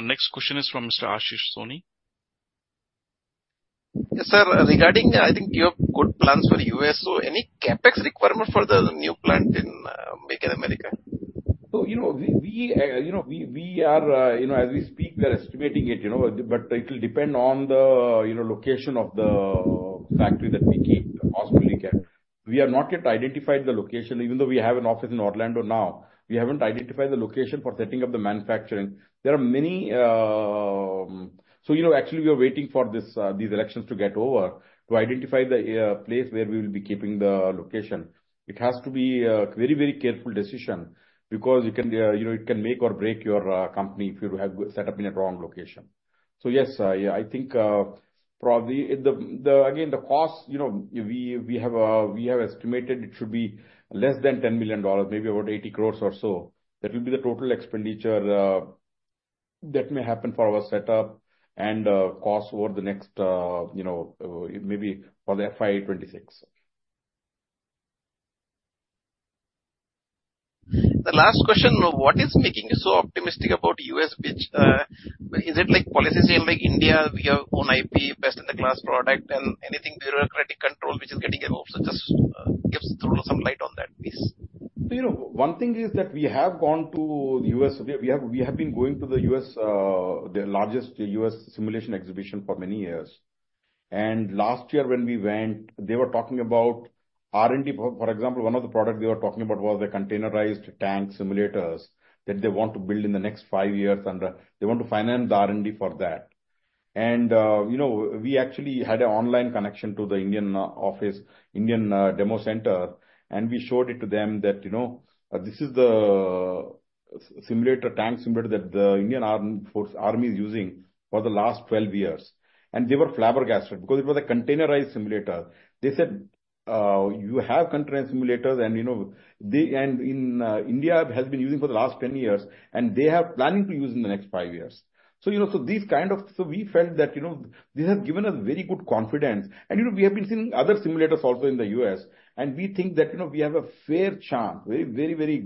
Next question is from Mr. Ashish Soni. Yes, sir. Regarding, I think you have good plans for us, so any Capex requirement for the new plant in Make in America? So, you know, we are, you know, as we speak, we are estimating it, you know, but it will depend on the, you know, location of the factory that we keep especially care. We have not yet identified the location even though we have an office in Orlando. Now we haven't identified the location for setting up the manufacturing. There are many. So, you know, actually, we are waiting for these elections to get over to identify the place where we will be keeping the location. It has to be a very, very careful decision because, you know, it can make or break your company if you have set up in a wrong location. So yes, I think probably, again, the cost, you know, we have estimated it should be less than $10 million. Maybe about 80 crores or so. That will be the total expenditure that may happen for our setup and cost over the next you know maybe for the FY26. The last question, what is making you so optimistic about us? What is it, like policy change in India, your own IP, best-in-class product and anything bureaucratic controls which are getting involved? So just throw some light on that piece. You know, the thing is that we have been going to the U.S., the largest U.S. simulation exhibition, for many years. Last year when we went, they were talking about R&D, for example. One of the product they were talking about was the containerized tank simulators that they want to build in the next five years, and they want to finance the R&D for that. You know, we actually had an online connection to the Indian office, this Indian demo center, and we showed it to them that, you know, this is the simulator, tank simulator that the Indian armed force army is using for the last 12 years. They were flabbergasted because it was a containerized simulator. They said you have country simulators and you know they and in India has been using for the last 10 years and they are planning to use in the next five years. So you know, so these kind of. So we felt that you know this has given us very good confidence and you know we have been seeing other simulators also in the U.S. and we think that you know we have a fair chance very, very very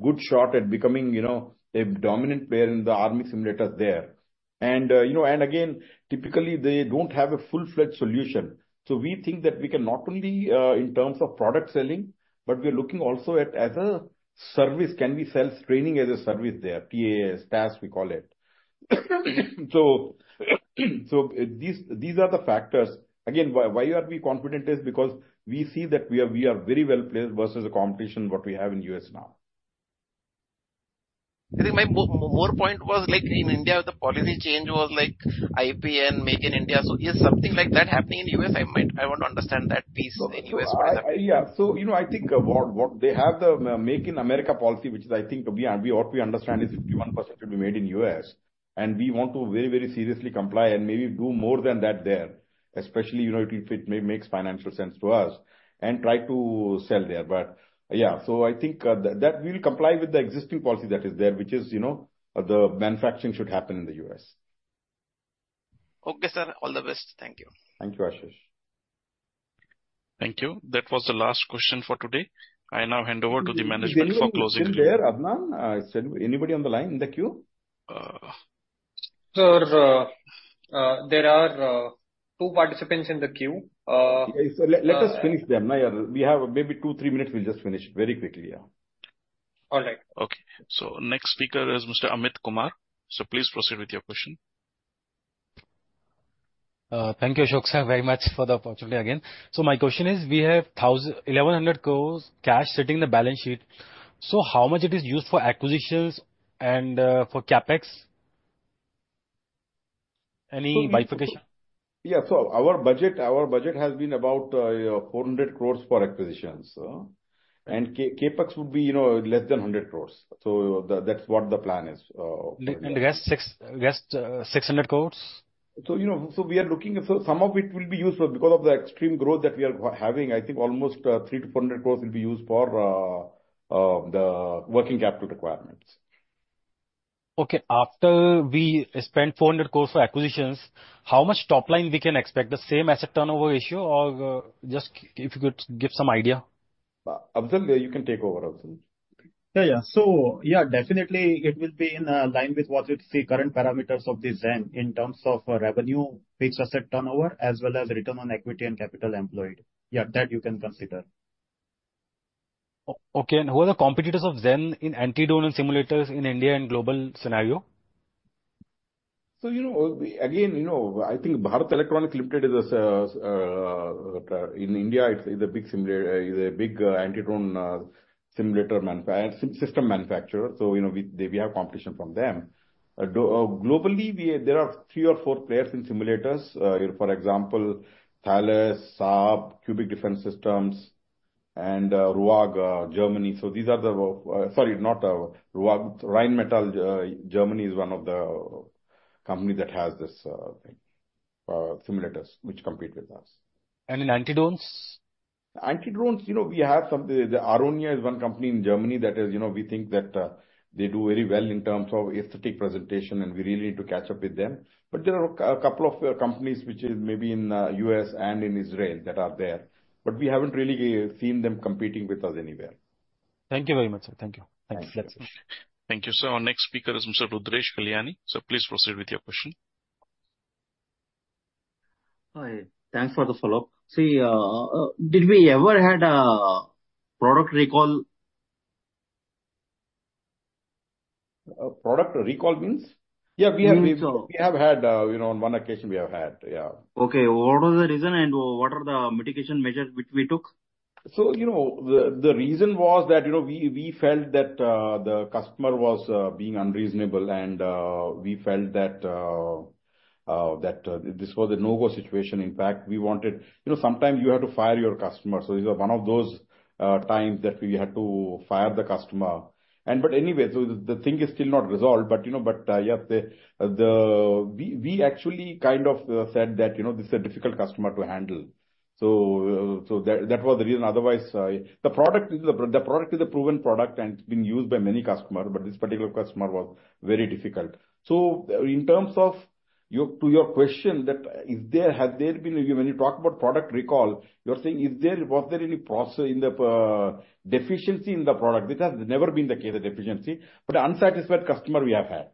good shot at becoming you know a dominant player in the army simulators there. You know and again typically they don't have a full-fledged solution. So we think that we can not only in terms of product selling but we're looking also at as a service can we sell training as a service there TAS. TAS we call it. So, these are the factors that, again, why we are confident is because we see that we are very well placed versus the competition, what we have in us now. I think my main point was like in India the policy change was like in Make in India. So is something like that happening in US? I mean, I want to understand that piece. Yeah. So you know I think what they have the Make in America policy which is I think to be and we what we understand is 51% should be made in U.S. and we want to very, very seriously comply and maybe do more than that there especially you know if it makes financial sense to us and try to sell there. But yeah, so I think that will comply with the existing policy that is there which is you know the manufacturing should happen in the U.S. Okay, sir. All the best. Thank you. Thank you Ashish. Thank you. That was the last question for today. I now hand over to the management for closing. Anybody on the line in the queue? Sir, there are two participants in the queue. Let us finish them. We have maybe two, three minutes. We'll just finish very quickly. Yeah. All right. Okay. So, next speaker is Mr. Amit Kumar. So, please proceed with your question. Thank you, Ashok sir, very much for the opportunity again. So my question is, we have 1,100 crores cash sitting the balance sheet. So how much it is used for acquisitions and for CapEx. Any bifurcation? Yeah, so our budget has been about 400 crores for acquisitions and Capex would be you know less than 100 crores. So that's what the plan is. The rest six guessed 600 crores. You know, we are looking. Some of it will be useful because of the extreme growth that we are having. I think almost 300-400 crores will be used for the working capital requirements. Okay. After we spend 400 crores for acquisitions, how much top line we can expect, the same asset turnover ratio or just? If you could give some idea, you can take over. Absolutely. Yeah, yeah. So yeah, definitely it will be in line with what you see current parameters of the Zen in terms of revenue, fixed asset turnover as well as return on equity and capital employed. Yeah. That you can consider. Okay. And who are the competitors of Zen in anti-drone simulators in India and global scenario? So you know again you know I think Bharat Electronics Limited is a in India it's a big simulator, is a big anti-drone simulation and system manufacturer. So you know we have competition from them globally. There are three or four players in simulators. For example Thales Saab Cubic Defense Systems and Ruag Germany. So these are the. Rheinmetall Germany is one of the company that has this simulators which compete with. U.S. and in anti-drones. Anti-drones, you know, we have something. The Aaronia is one company in Germany that is, you know, we think that they do very well in terms of aesthetic presentation and we really need to catch up with them. But there are a couple of companies which is maybe in U.S. and in Israel that are there, but we haven't really seen them competing with us anywhere. Thank you very much, sir. Thank you. Thank you, sir. Our next speaker is Mr. Rudresh Kalyani. So please proceed with your question. Hi. Thanks for the follow up. See, did we ever had a product recall? Product recall means. Yeah, we have had, you know, on one occasion we have had. Yeah. Okay. What was the reason and what are the mitigation measures which we took? So you know, the reason was that, you know, we felt that the customer was being unreasonable and we felt that this was a no go situation. In fact, we wanted, you know, sometimes you have to fire your customer. So these are one of those times that we had to fire the customer. And but anyway, so the thing is still not resolved, but you know, but yeah, we actually kind of said that, you know, this is a difficult customer to handle. So that was the reason. Otherwise the product is a proven product and it's been used by many customers. But this particular customer was very difficult. So, to your question that if there have been when you talk about product recall, you're saying is there any process in the deficiency in the product? It has never been the case of deficiency but unsatisfied customer we have had.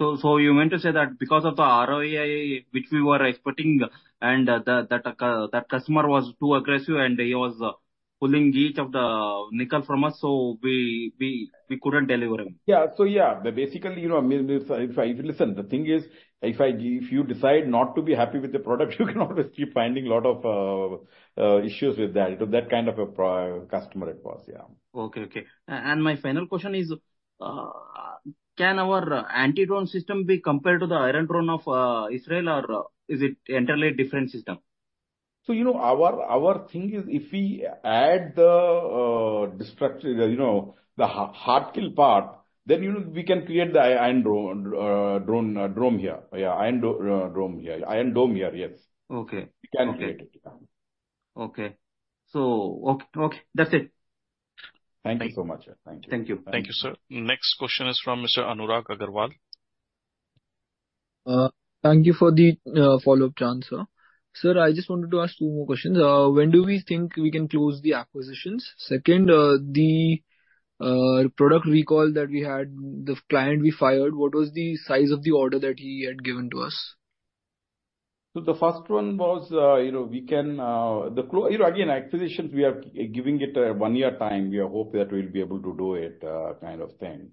You meant to say that because of the ROE which we were expecting and that customer was too aggressive and he was pulling every nickel from us so we couldn't deliver him. Yeah, so, basically, you know, I mean. Listen, the thing is, if you decide not to be happy with the product, you can always keep finding lot of issues with that kind of a customer. It was. Yeah. My final question is, can our anti-drone system be compared to the Iron Dome of Israel or is it entirely different system? So you know, our thing is if we add the destruction, you know, the hard kill part then you know, we can create the Iron Dome. Yes. Okay. So, okay, that's it. Thank you so much. Thank you. Thank you. Thank you, sir. Next question is from Mr. Anurag Agarwal. Thank you for the follow up chance, sir. Sir, I just wanted to ask two more questions. When do we think we can close the acquisitions? Second, the product recall that we had, the client we fired, what was the size of the order that he had given to us? So the first one was, you know, again acquisitions. We are giving it a one year time. We hope that we'll be able to do it kind of thing.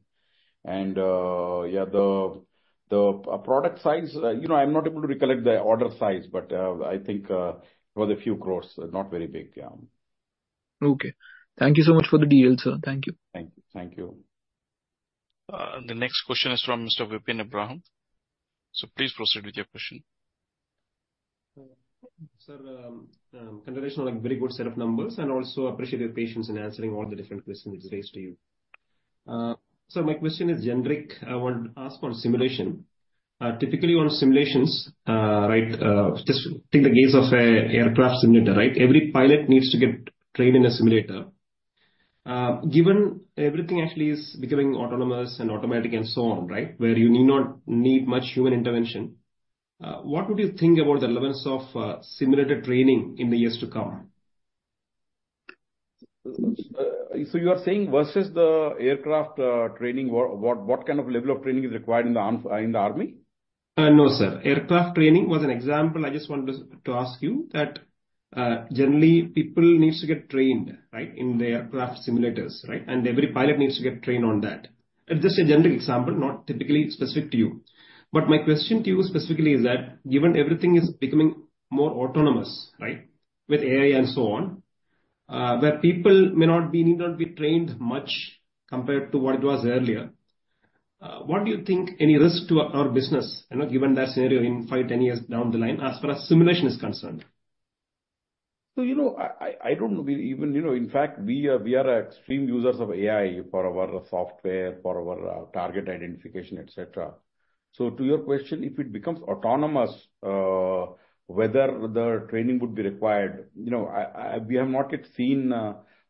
And yeah, the product size, you know, I'm not able to recollect the order size but I think it was a few crores, not very big. Okay, thank you so much for the deal, sir. Thank you. Thank you. Thank you. The next question is from Mr. Vipin Abraham. So please proceed with your question. Sir, congratulations on a very good set of numbers and also appreciate your patience in answering all the different questions it's raised to you. So my question is generic. I want to ask for simulation. Typically on simulations, right? Just take the case of an aircraft simulator, right? Every pilot needs to get trained in a simulator. Given everything actually is becoming autonomous and automatic and so on, right? Where you need not need much human intervention, what would you think about the relevance of simulated training in the years to come? So you are saying versus the aircraft training? What, what kind of level of training is required in the arm, in the army? No sir, aircraft training was an example. I just wanted to ask you that, that generally people needs to get trained, right? In their craft simulators, right? And every pilot needs to get trained on that. It's just a general example, not typically specific to you, but my question to you specifically is that given everything is becoming more autonomous, right, with AI and so on, where people may not be, need not be trained much compared to. What it was earlier, what do you? Think any risk to our business given that scenario in five, 10 years down the line as far as simulation is concerned? So you know, I don't know even, you know, in fact we are extreme users of AI for our software, for our target identification, etc. So to your question, if it becomes autonomous, whether the training would be required? You know, we have not yet seen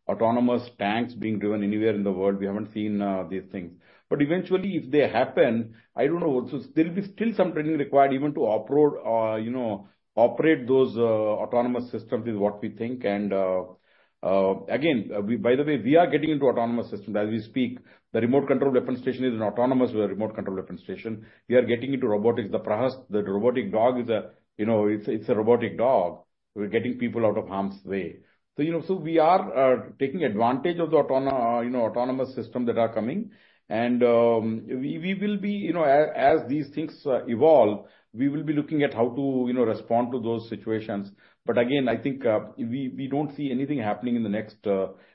autonomous tanks being driven anywhere in the world. We haven't seen these things. But eventually if they happen, I don't know. So there'll be still some training required even to upload, you know, operate those autonomous systems is what we think. And again, by the way, we are getting into autonomous systems as we speak. The remote control weapon station is an autonomous remote control weapon station. We are getting into robotics. The Prahasta, the robotic dog is a, you know, it's a robotic dog. We're getting people out of harm's way. So, you know, so we are taking advantage of the autonomous, you know, autonomous systems that are coming. And we will be, you know, as these things evolve, we will be looking at how to, you know, respond to those situations. But again, I think we don't see anything happening in the next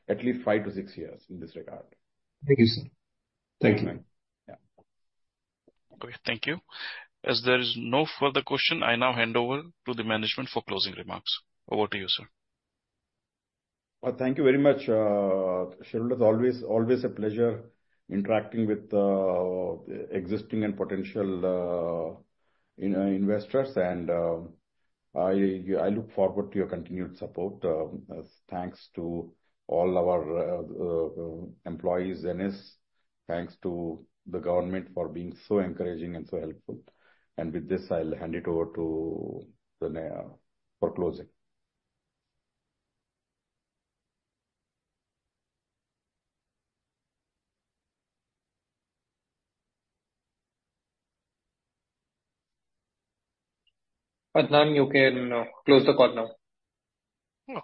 at least five to six years in this regard. Thank you, sir. Thank you. Okay. Thank you. As there is no further question, I now hand over to the management for closing remarks. Over to you, sir. Thank you very much. Always, always a pleasure interacting with existing and potential investors. And I look forward to your continued support. Thanks to all our employees. And thanks to the government for being so encouraging and so helpful. And with this, I'll hand it over to Dana for closing. Adnan, you can close the call now.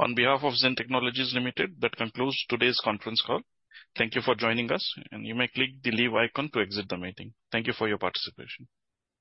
On behalf of Zen Technologies Limited. That concludes today's conference call. Thank you for joining us. And you may click the leave icon to exit the meeting. Thank you for your participation.